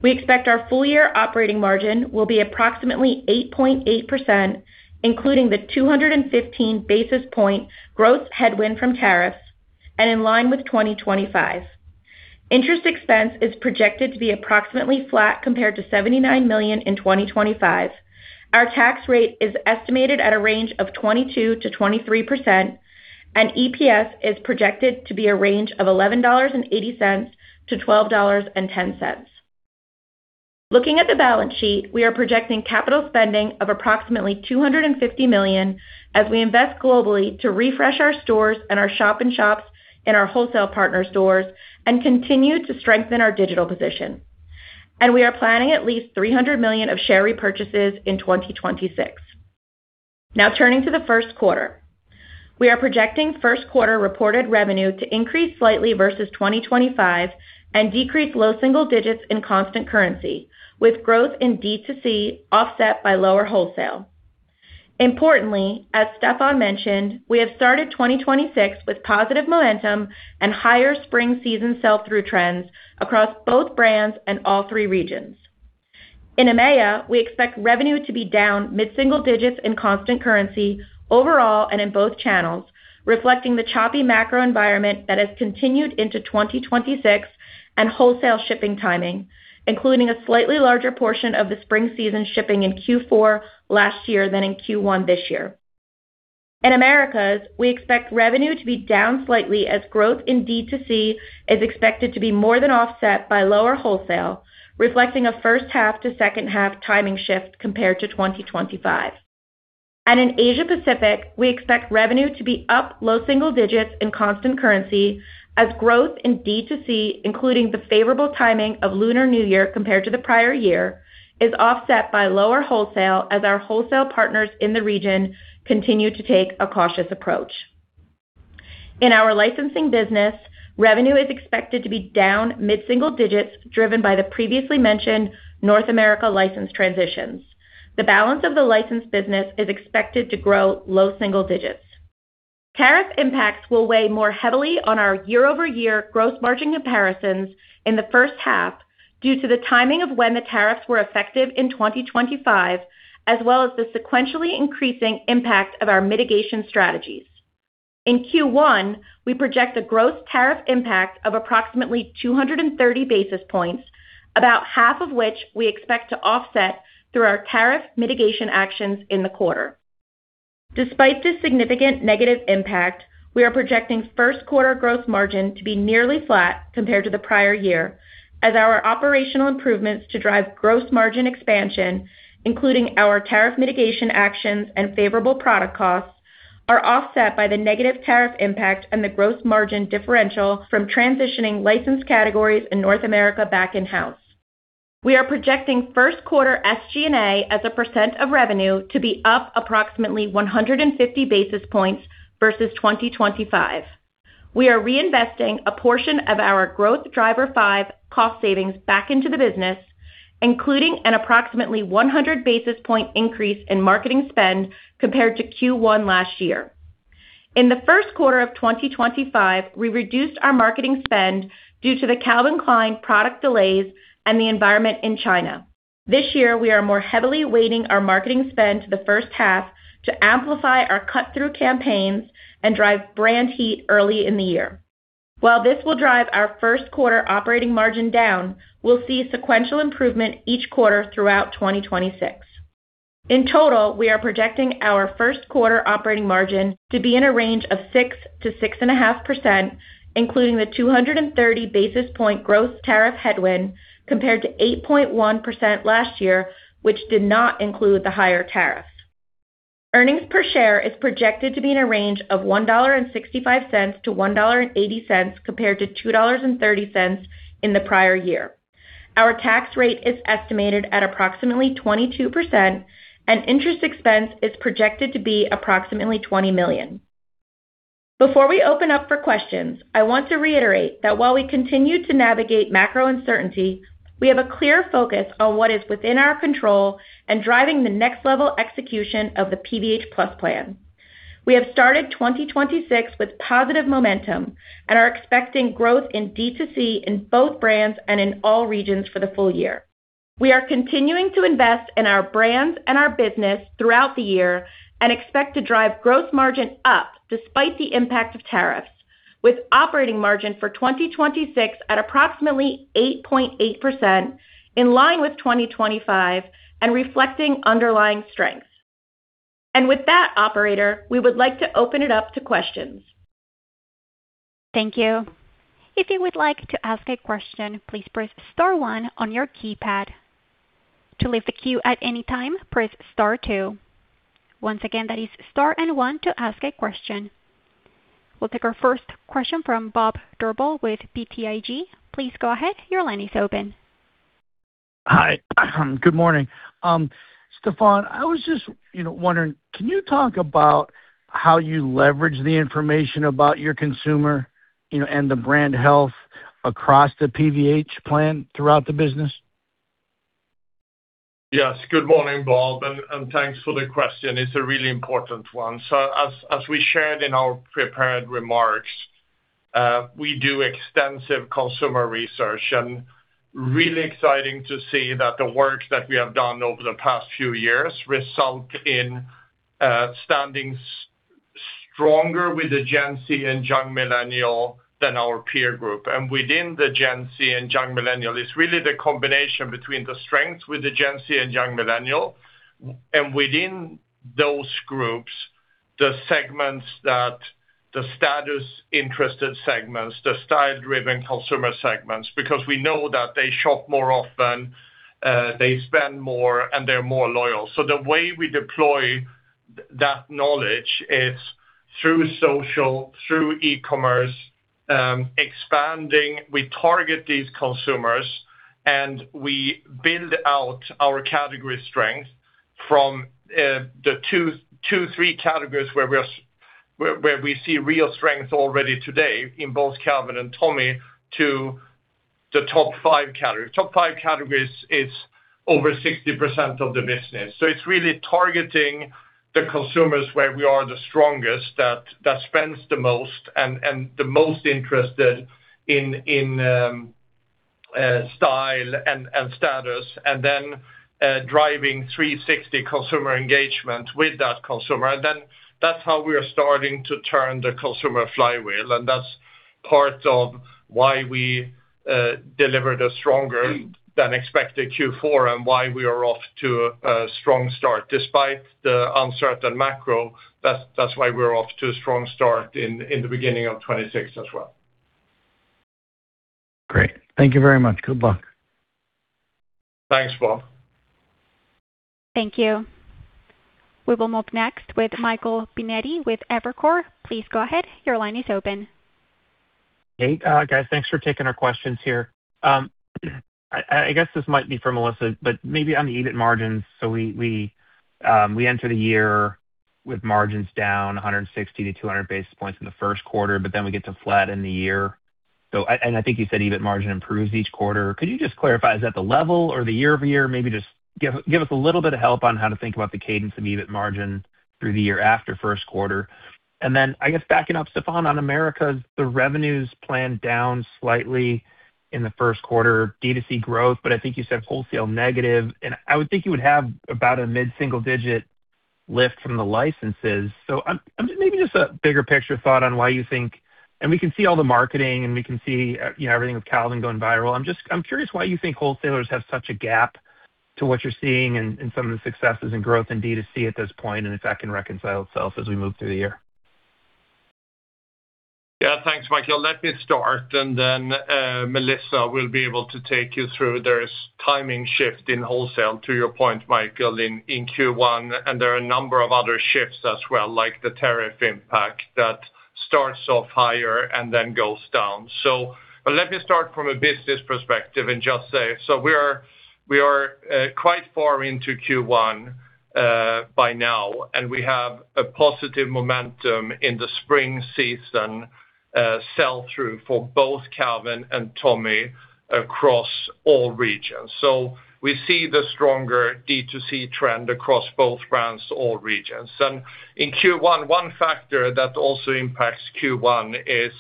We expect our full year operating margin will be approximately 8.8%, including the 215 basis point gross headwind from tariffs and in line with 2025. Interest expense is projected to be approximately flat compared to $79 million in 2025. Our tax rate is estimated at a range of 22%-23%, and EPS is projected to be a range of $11.80-$12.10. Looking at the balance sheet, we are projecting capital spending of approximately $250 million as we invest globally to refresh our stores and our shop-in-shops and our wholesale partner stores and continue to strengthen our digital position. We are planning at least $300 million of share repurchases in 2026. Now turning to the first quarter. We are projecting first quarter reported revenue to increase slightly versus 2025 and decrease low single digits in constant currency, with growth in D2C offset by lower wholesale. Importantly, as Stefan mentioned, we have started 2026 with positive momentum and higher spring season sell-through trends across both brands and all three regions. In EMEA, we expect revenue to be down mid-single digits in constant currency overall and in both channels, reflecting the choppy macro environment that has continued into 2026 and wholesale shipping timing, including a slightly larger portion of the spring season shipping in Q4 last year than in Q1 this year. In Americas, we expect revenue to be down slightly as growth in D2C is expected to be more than offset by lower wholesale, reflecting a first half to second half timing shift compared to 2025. In Asia Pacific, we expect revenue to be up low single digits in constant currency as growth in D2C, including the favorable timing of Lunar New Year compared to the prior year, is offset by lower wholesale as our wholesale partners in the region continue to take a cautious approach. In our licensing business, revenue is expected to be down mid-single digits driven by the previously mentioned North America license transitions. The balance of the license business is expected to grow low single digits. Tariff impacts will weigh more heavily on our year-over-year gross margin comparisons in the first half due to the timing of when the tariffs were effective in 2025, as well as the sequentially increasing impact of our mitigation strategies. In Q1, we project a gross tariff impact of approximately 230 basis points, about half of which we expect to offset through our tariff mitigation actions in the quarter. Despite this significant negative impact, we are projecting first quarter gross margin to be nearly flat compared to the prior year as our operational improvements to drive gross margin expansion, including our tariff mitigation actions and favorable product costs, are offset by the negative tariff impact and the gross margin differential from transitioning license categories in North America back in-house. We are projecting first quarter SG&A as a percent of revenue to be up approximately 150 basis points versus 2025. We are reinvesting a portion of our Growth Driver Five cost savings back into the business, including an approximately 100 basis point increase in marketing spend compared to Q1 last year. In the first quarter of 2025, we reduced our marketing spend due to the Calvin Klein product delays and the environment in China. This year, we are more heavily weighting our marketing spend to the first half to amplify our cut-through campaigns and drive brand heat early in the year. While this will drive our first quarter operating margin down, we'll see sequential improvement each quarter throughout 2026. In total, we are projecting our first quarter operating margin to be in a range of 6%-6.5%, including the 230 basis point gross tariff headwind compared to 8.1% last year, which did not include the higher tariff. Earnings per share is projected to be in a range of $1.65-$1.80 compared to $2.30 in the prior year. Our tax rate is estimated at approximately 22%, and interest expense is projected to be approximately $20 million. Before we open up for questions, I want to reiterate that while we continue to navigate macro uncertainty, we have a clear focus on what is within our control and driving the next level execution of the PVH+ Plan. We have started 2026 with positive momentum and are expecting growth in D2C in both brands and in all regions for the full year. We are continuing to invest in our brands and our business throughout the year and expect to drive gross margin up despite the impact of tariffs, with operating margin for 2026 at approximately 8.8% in line with 2025 and reflecting underlying strength. With that, operator, we would like to open it up to questions. Thank you. If you would like to ask a question, please press star one on your keypad. To leave the queue at any time, press star two. Once again, that is star and one to ask a question. We'll take our first question from Bob Drbul with BTIG. Please go ahead. Your line is open. Hi. Good morning. Stefan, I was just, you know, wondering, can you talk about how you leverage the information about your consumer, you know, and the brand health across the PVH plan throughout the business? Yes, good morning, Bob, and thanks for the question. It's a really important one. As we shared in our prepared remarks, we do extensive consumer research and really exciting to see that the work that we have done over the past few years result in standing stronger with the Gen Z and young millennial than our peer group. Within the Gen Z and young millennial, it's really the combination between the strengths with the Gen Z and young millennial and within those groups, the segments that the status interested segments, the style driven consumer segments, because we know that they shop more often, they spend more, and they're more loyal. The way we deploy that knowledge is through social, through e-commerce, expanding. We target these consumers, and we build out our category strength from the two, three categories where we see real strength already today in both Calvin and Tommy to the top five categories. Top five categories is over 60% of the business. It's really targeting the consumers where we are the strongest, that spends the most and the most interested in style and status, and then driving 360 consumer engagement with that consumer. That's how we are starting to turn the consumer flywheel. That's part of why we delivered a stronger than expected Q4 and why we are off to a strong start. Despite the uncertain macro, that's why we're off to a strong start in the beginning of 2026 as well. Great. Thank you very much. Good luck. Thanks, Bob. Thank you. We will move next with Michael Binetti with Evercore. Please go ahead. Your line is open. Hey, guys. Thanks for taking our questions here. I guess this might be for Melissa, but maybe on the EBIT margins. We enter the year with margins down 160 to 200 basis points in the first quarter, but then we get to flat in the year. I think you said EBIT margin improves each quarter. Could you just clarify, is that the level or the year-over-year? Maybe just give us a little bit of help on how to think about the cadence of EBIT margin through the year after first quarter. I guess backing up, Stefan, on Americas, the revenues planned down slightly in the first quarter, D2C growth, but I think you said wholesale negative. I would think you would have about a mid-single digit lift from the licenses. I'm maybe just a bigger picture thought on why you think we can see all the marketing, and we can see, you know, everything with Calvin going viral. I'm just curious why you think wholesalers have such a gap to what you're seeing in some of the successes and growth in D2C at this point, and if that can reconcile itself as we move through the year. Yeah. Thanks, Michael. Let me start, and then Melissa will be able to take you through. There is timing shift in wholesale, to your point, Michael, in Q1, and there are a number of other shifts as well, like the tariff impact that starts off higher and then goes down. Let me start from a business perspective and just say we are quite far into Q1 by now, and we have a positive momentum in the spring season sell-through for both Calvin and Tommy across all regions. We see the stronger D2C trend across both brands, all regions. In Q1, one factor that also impacts Q1 is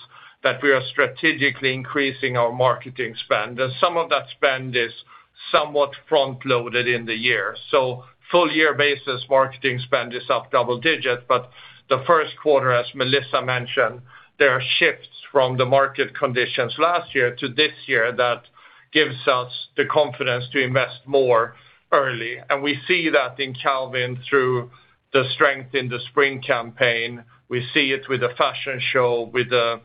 that we are strategically increasing our marketing spend, and some of that spend is somewhat front-loaded in the year. Full-year basis marketing spend is up double-digit, but the first quarter, as Melissa mentioned, there are shifts from the market conditions last year to this year that gives us the confidence to invest more early. We see that in Calvin through the strength in the spring campaign. We see it with the fashion show, with the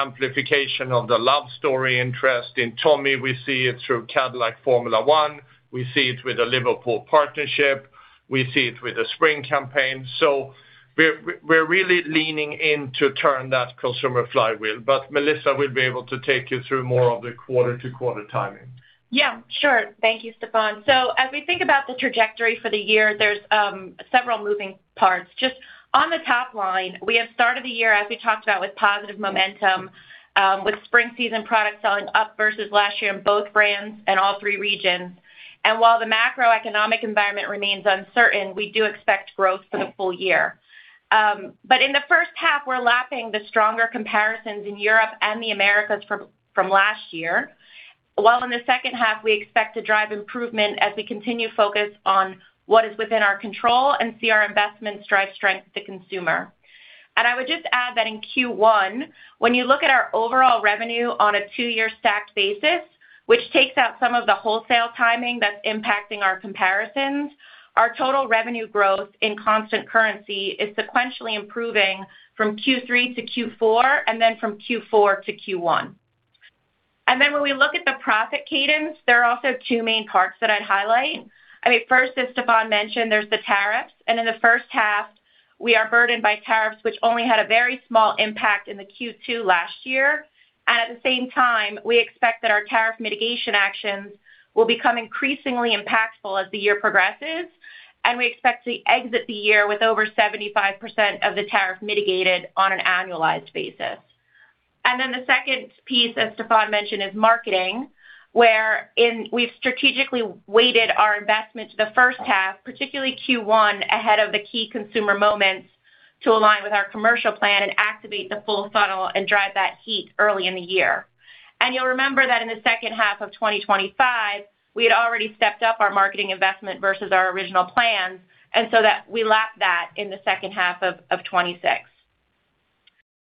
amplification of the Love Story interest. In Tommy, we see it through Cadillac Formula 1. We see it with the Liverpool partnership. We see it with the spring campaign. We're really leaning in to turn that consumer flywheel. Melissa will be able to take you through more of the quarter-to-quarter timing. Yeah. Sure. Thank you, Stefan. As we think about the trajectory for the year, there's several moving parts. Just on the top line, we have started the year, as we talked about, with positive momentum, with spring season products selling up versus last year in both brands and all three regions. While the macroeconomic environment remains uncertain, we do expect growth for the full year. In the first half, we're lapping the stronger comparisons in Europe and the Americas from last year. While in the second half, we expect to drive improvement as we continue to focus on what is within our control and see our investments drive strength to consumer. I would just add that in Q1, when you look at our overall revenue on a two-year stacked basis, which takes out some of the wholesale timing that's impacting our comparisons, our total revenue growth in constant currency is sequentially improving from Q3 to Q4, and then from Q4 to Q1. When we look at the profit cadence, there are also two main parts that I'd highlight. I mean, first, as Stefan mentioned, there's the tariffs, and in the first half we are burdened by tariffs, which only had a very small impact in the Q2 last year. At the same time, we expect that our tariff mitigation actions will become increasingly impactful as the year progresses, and we expect to exit the year with over 75% of the tariff mitigated on an annualized basis. The second piece, as Stefan mentioned, is marketing, where we've strategically weighted our investment to the first half, particularly Q1, ahead of the key consumer moments to align with our commercial plan and activate the full funnel and drive that heat early in the year. You'll remember that in the second half of 2025, we had already stepped up our marketing investment versus our original plans, and so that we lap that in the second half of 2026.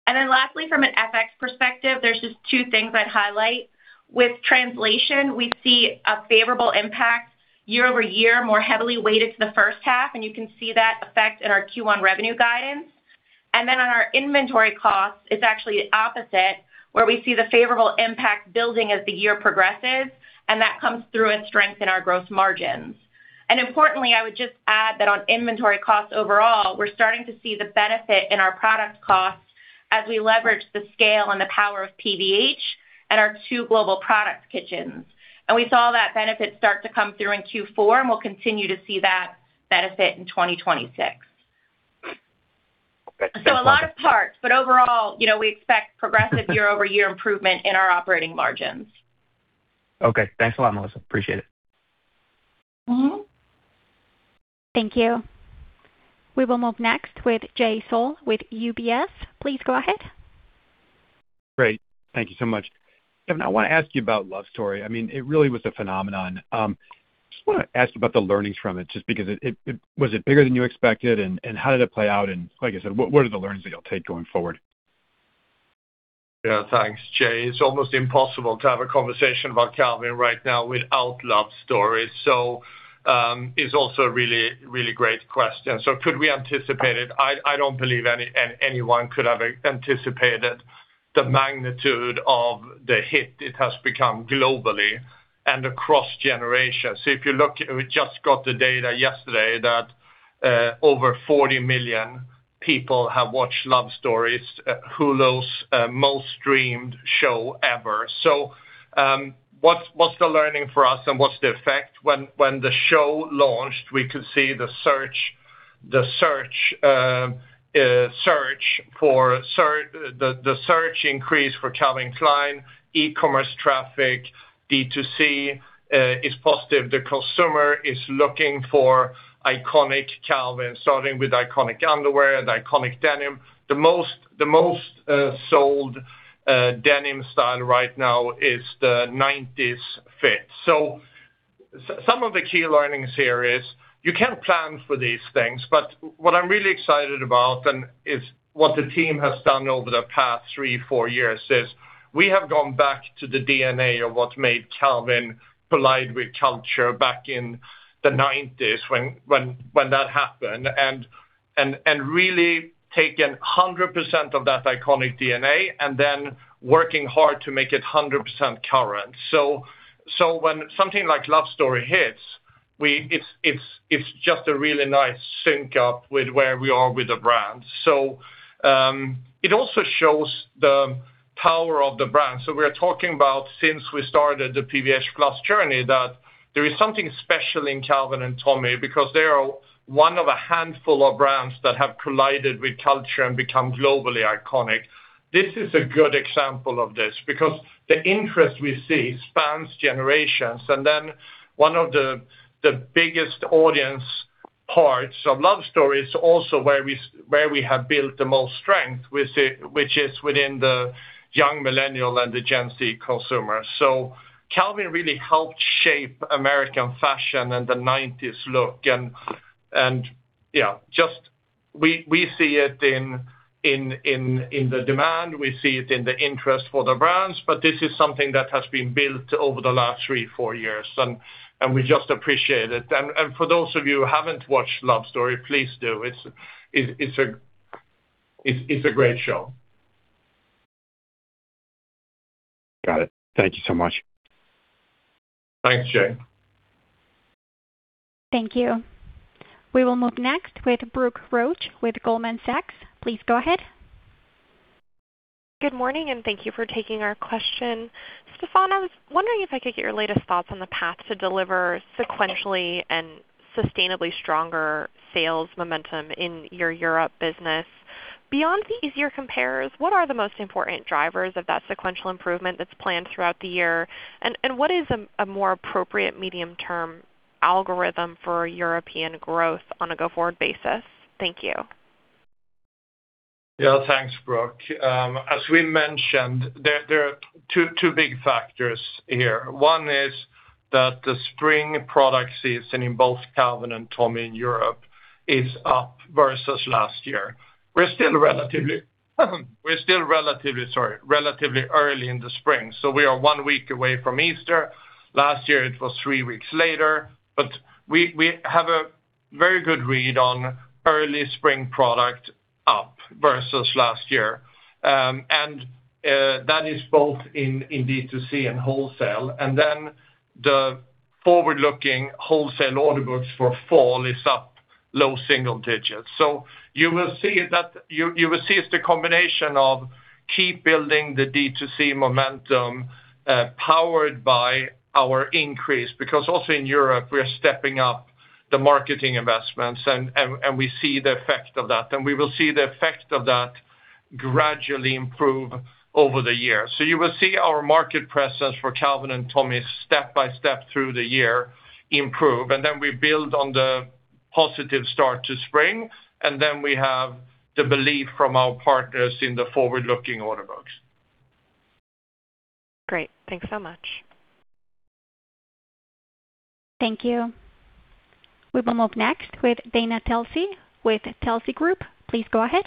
Lastly, from an FX perspective, there's just two things I'd highlight. With translation, we see a favorable impact year-over-year, more heavily weighted to the first half, and you can see that effect in our Q1 revenue guidance. Then on our inventory costs, it's actually opposite where we see the favorable impact building as the year progresses and that comes through and strengthen our growth margins. Importantly, I would just add that on inventory costs overall, we're starting to see the benefit in our product costs as we leverage the scale and the power of PVH and our two global product kitchens. We saw that benefit start to come through in Q4, and we'll continue to see that benefit in 2026. A lot of parts, but overall, you know, we expect progressive year-over-year improvement in our operating margins. Okay. Thanks a lot, Melissa. Appreciate it. Mm-hmm. Thank you. We will move next with Jay Sole with UBS. Please go ahead. Great. Thank you so much. Stefan, I wanna ask you about Love Story. I mean, it really was a phenomenon. Just wanna ask about the learnings from it, just because was it bigger than you expected and how did it play out? Like I said, what are the learnings that you'll take going forward? Yeah, thanks, Jay. It's almost impossible to have a conversation about Calvin right now without Love Story. It's also a really great question. Could we anticipate it? I don't believe anyone could have anticipated the magnitude of the hit it has become globally and across generations. If you look, we just got the data yesterday that over 40 million people have watched Love Story, Hulu's most streamed show ever. What's the learning for us and what's the effect? When the show launched, we could see the search increase for Calvin Klein e-commerce traffic, D2C, is positive. The consumer is looking for iconic Calvin, starting with iconic underwear and iconic denim. The most sold denim style right now is the 90s fit. Some of the key learnings here is you can't plan for these things, but what I'm really excited about, and is what the team has done over the past three, four years, is we have gone back to the DNA of what made Calvin collide with culture back in the 1990s when that happened, and really taken 100% of that iconic DNA and then working hard to make it 100% current. When something like Love Story hits, it's just a really nice sync up with where we are with the brand. It also shows the power of the brand. We're talking about since we started the PVH Plus journey, that there is something special in Calvin and Tommy because they are one of a handful of brands that have collided with culture and become globally iconic. This is a good example of this because the interest we see spans generations. One of the biggest audience parts of Love Story is also where we have built the most strength with it, which is within the young millennial and the Gen Z consumer. Calvin really helped shape American fashion and the nineties look and yeah, just we see it in the demand. We see it in the interest for the brands. This is something that has been built over the last three or four years, and we just appreciate it. For those of you who haven't watched Love Story, please do. It's a great show. Got it. Thank you so much. Thanks, Jay. Thank you. We will move next with Brooke Roach with Goldman Sachs. Please go ahead. Good morning, and thank you for taking our question. Stefan, I was wondering if I could get your latest thoughts on the path to deliver sequentially and sustainably stronger sales momentum in your European business. Beyond the easier compares, what are the most important drivers of that sequential improvement that's planned throughout the year? What is a more appropriate medium-term algorithm for European growth on a go-forward basis? Thank you. Yeah, thanks, Brooke. As we mentioned, there are two big factors here. One is that the spring product season in both Calvin and Tommy in Europe is up versus last year. We're still relatively early in the spring, so we are one week away from Easter. Last year, it was three weeks later. We have a very good read on early spring product up versus last year. That is both in D2C and wholesale. Then the forward-looking wholesale order books for fall is up low single digits. You will see it's the combination of keep building the D2C momentum, powered by our increase, because also in Europe, we are stepping up the marketing investments and we see the effect of that, and we will see the effect of that gradually improve over the year. You will see our market presence for Calvin and Tommy step by step through the year improve, and then we build on the positive start to spring, and then we have the belief from our partners in the forward-looking order books. Great. Thanks so much. Thank you. We will move next with Dana Telsey with Telsey Group. Please go ahead.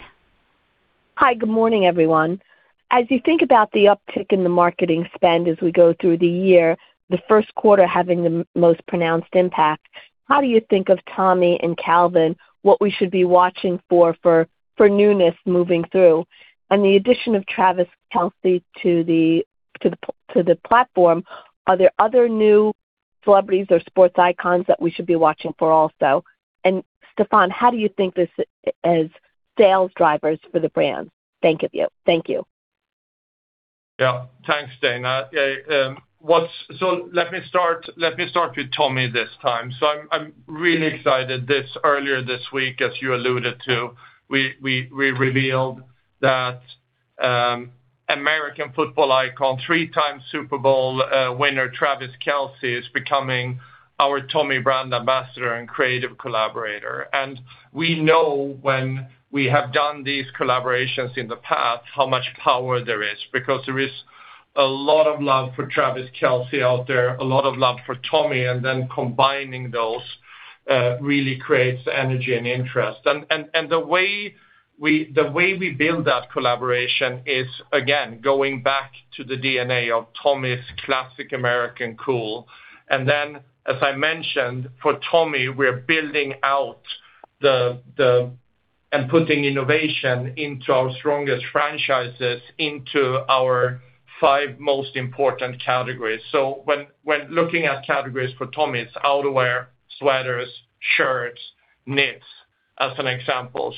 Hi, good morning, everyone. As you think about the uptick in the marketing spend as we go through the year, the first quarter having the most pronounced impact, how do you think of Tommy and Calvin, what we should be watching for for newness moving through? On the addition of Travis Kelce to the platform, are there other new celebrities or sports icons that we should be watching for also? Stefan, how do you think these as sales drivers for the brand? Thank you. Yeah. Thanks, Dana. Let me start with Tommy this time. I'm really excited. Earlier this week, as you alluded to, we revealed that American football icon, three-time Super Bowl winner, Travis Kelce, is becoming our Tommy brand ambassador and creative collaborator. We know when we have done these collaborations in the past, how much power there is, because there is a lot of love for Travis Kelce out there, a lot of love for Tommy, and then combining those really creates energy and interest. The way we build that collaboration is, again, going back to the DNA of Tommy's classic American cool. Then as I mentioned, for Tommy, we're building out and putting innovation into our strongest franchises into our five most important categories. When looking at categories for Tommy, it's outerwear, sweaters, shirts, knits, as an example.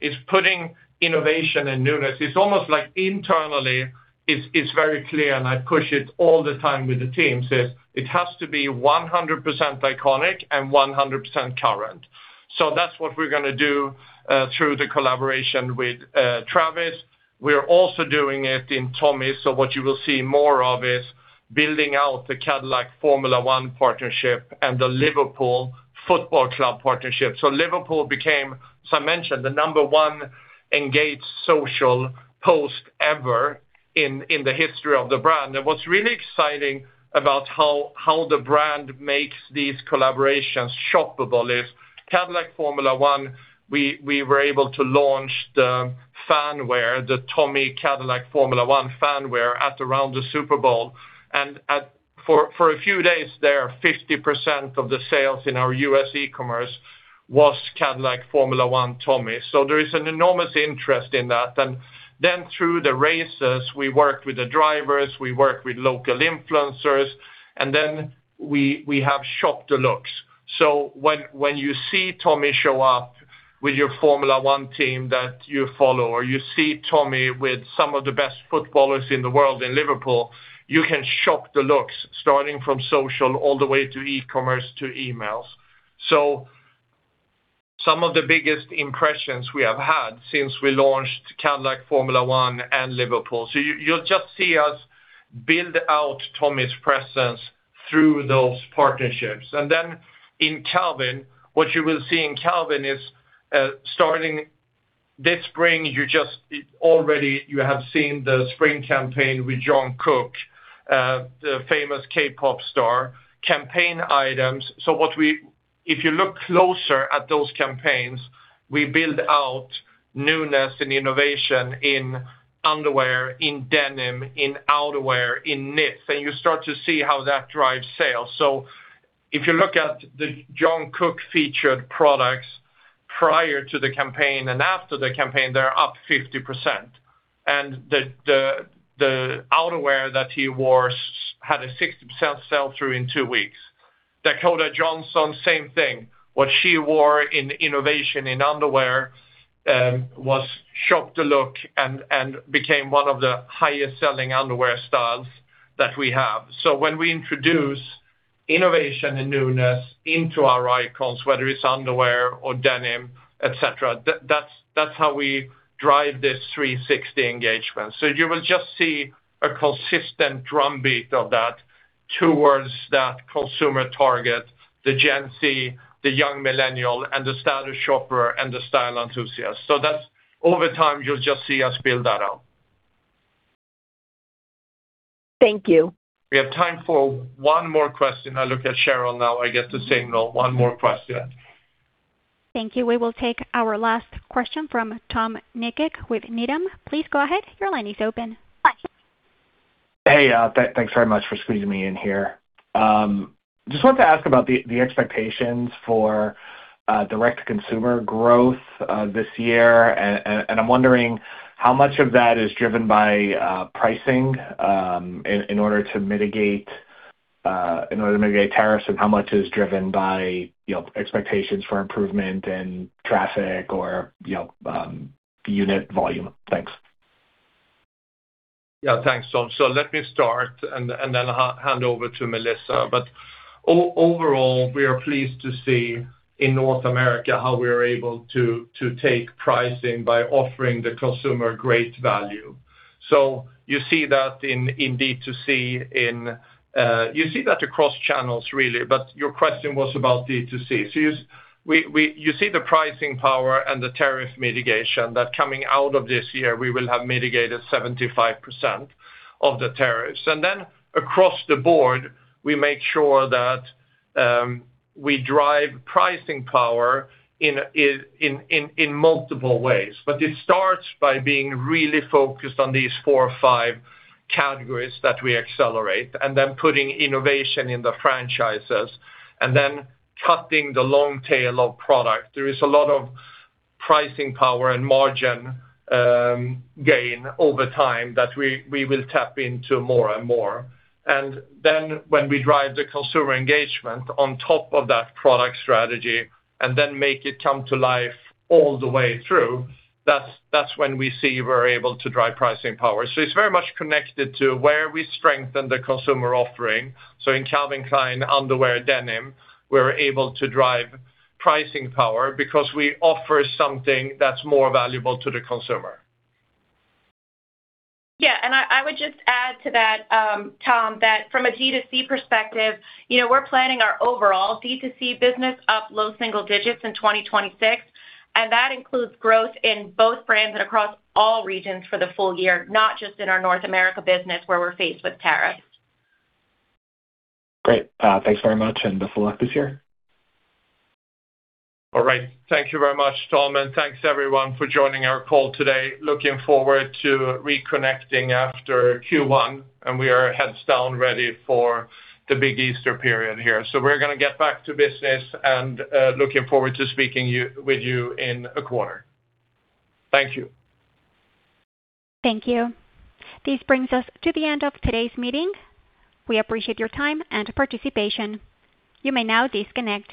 It's putting innovation and newness. It's almost like internally it's very clear, and I push it all the time with the teams, is it has to be 100% iconic and 100% current. That's what we're gonna do through the collaboration with Travis. We're also doing it in Tommy. What you will see more of is building out the Cadillac Formula One partnership and the Liverpool Football Club partnership. Liverpool became, as I mentioned, the number-one engaged social post ever in the history of the brand. What's really exciting about how the brand makes these collaborations shoppable is Cadillac Formula One. We were able to launch the fan wear, the Tommy Cadillac Formula One fan wear around the Super Bowl. For a few days there, 50% of the sales in our U.S. e-commerce was Cadillac Formula One Tommy. There is an enormous interest in that. Then through the races, we work with the drivers, we work with local influencers, and we have shop the looks. When you see Tommy show up with your Formula One team that you follow, or you see Tommy with some of the best footballers in the world in Liverpool, you can shop the looks starting from social all the way to e-commerce to emails. Some of the biggest impressions we have had since we launched Cadillac Formula One and Liverpool. You'll just see us build out Tommy's presence through those partnerships. Then in Calvin, what you will see in Calvin is, starting this spring, already you have seen the spring campaign with Jung Kook, the famous K-pop star, campaign items. If you look closer at those campaigns, we build out newness and innovation in underwear, in denim, in outerwear, in knits, and you start to see how that drives sales. If you look at the Jung Kook featured products prior to the campaign and after the campaign, they're up 50%. The outerwear that he wore had a 60% sell-through in two weeks. Dakota Johnson, same thing. What she wore in innovation in underwear was shop the look and became one of the highest-selling underwear styles that we have. When we introduce innovation and newness into our icons, whether it's underwear or denim, et cetera, that's how we drive this three sixty engagement. You will just see a consistent drumbeat of that. Towards that consumer target, the Gen Z, the young millennial, and the status shopper and the style enthusiast. That's over time, you'll just see us build that out. Thank you. We have time for one more question. I look at Cheryl now. I get the signal. One more question. Thank you. We will take our last question from Tom Nikic with Needham. Please go ahead. Your line is open. Hey, thanks very much for squeezing me in here. Just wanted to ask about the expectations for direct-to-consumer growth this year. I'm wondering how much of that is driven by pricing in order to mitigate tariffs, and how much is driven by you know expectations for improvement and traffic or you know unit volume? Thanks. Yeah, thanks, Tom. Let me start and then hand over to Melissa. Overall, we are pleased to see in North America how we are able to take pricing by offering the consumer great value. You see that in D2C. You see that across channels really, but your question was about D2C. You see the pricing power and the tariff mitigation, that coming out of this year, we will have mitigated 75% of the tariffs. Across the board, we make sure that we drive pricing power in multiple ways. It starts by being really focused on these four or five categories that we accelerate and then putting innovation in the franchises and then cutting the long tail of product. There is a lot of pricing power and margin gain over time that we will tap into more and more. When we drive the consumer engagement on top of that product strategy and then make it come to life all the way through, that's when we see we're able to drive pricing power. It's very much connected to where we strengthen the consumer offering. In Calvin Klein underwear denim, we're able to drive pricing power because we offer something that's more valuable to the consumer. Yeah, I would just add to that, Tom, that from a D2C perspective, you know, we're planning our overall D2C business up low single digits in 2026, and that includes growth in both brands and across all regions for the full year, not just in our North America business where we're faced with tariffs. Great. Thanks very much, and best of luck this year. All right. Thank you very much, Tom, and thanks everyone for joining our call today. Looking forward to reconnecting after Q1, and we are heads down ready for the big Easter period here. We're gonna get back to business, and looking forward to speaking with you in a quarter. Thank you. Thank you. This brings us to the end of today's meeting. We appreciate your time and participation. You may now disconnect.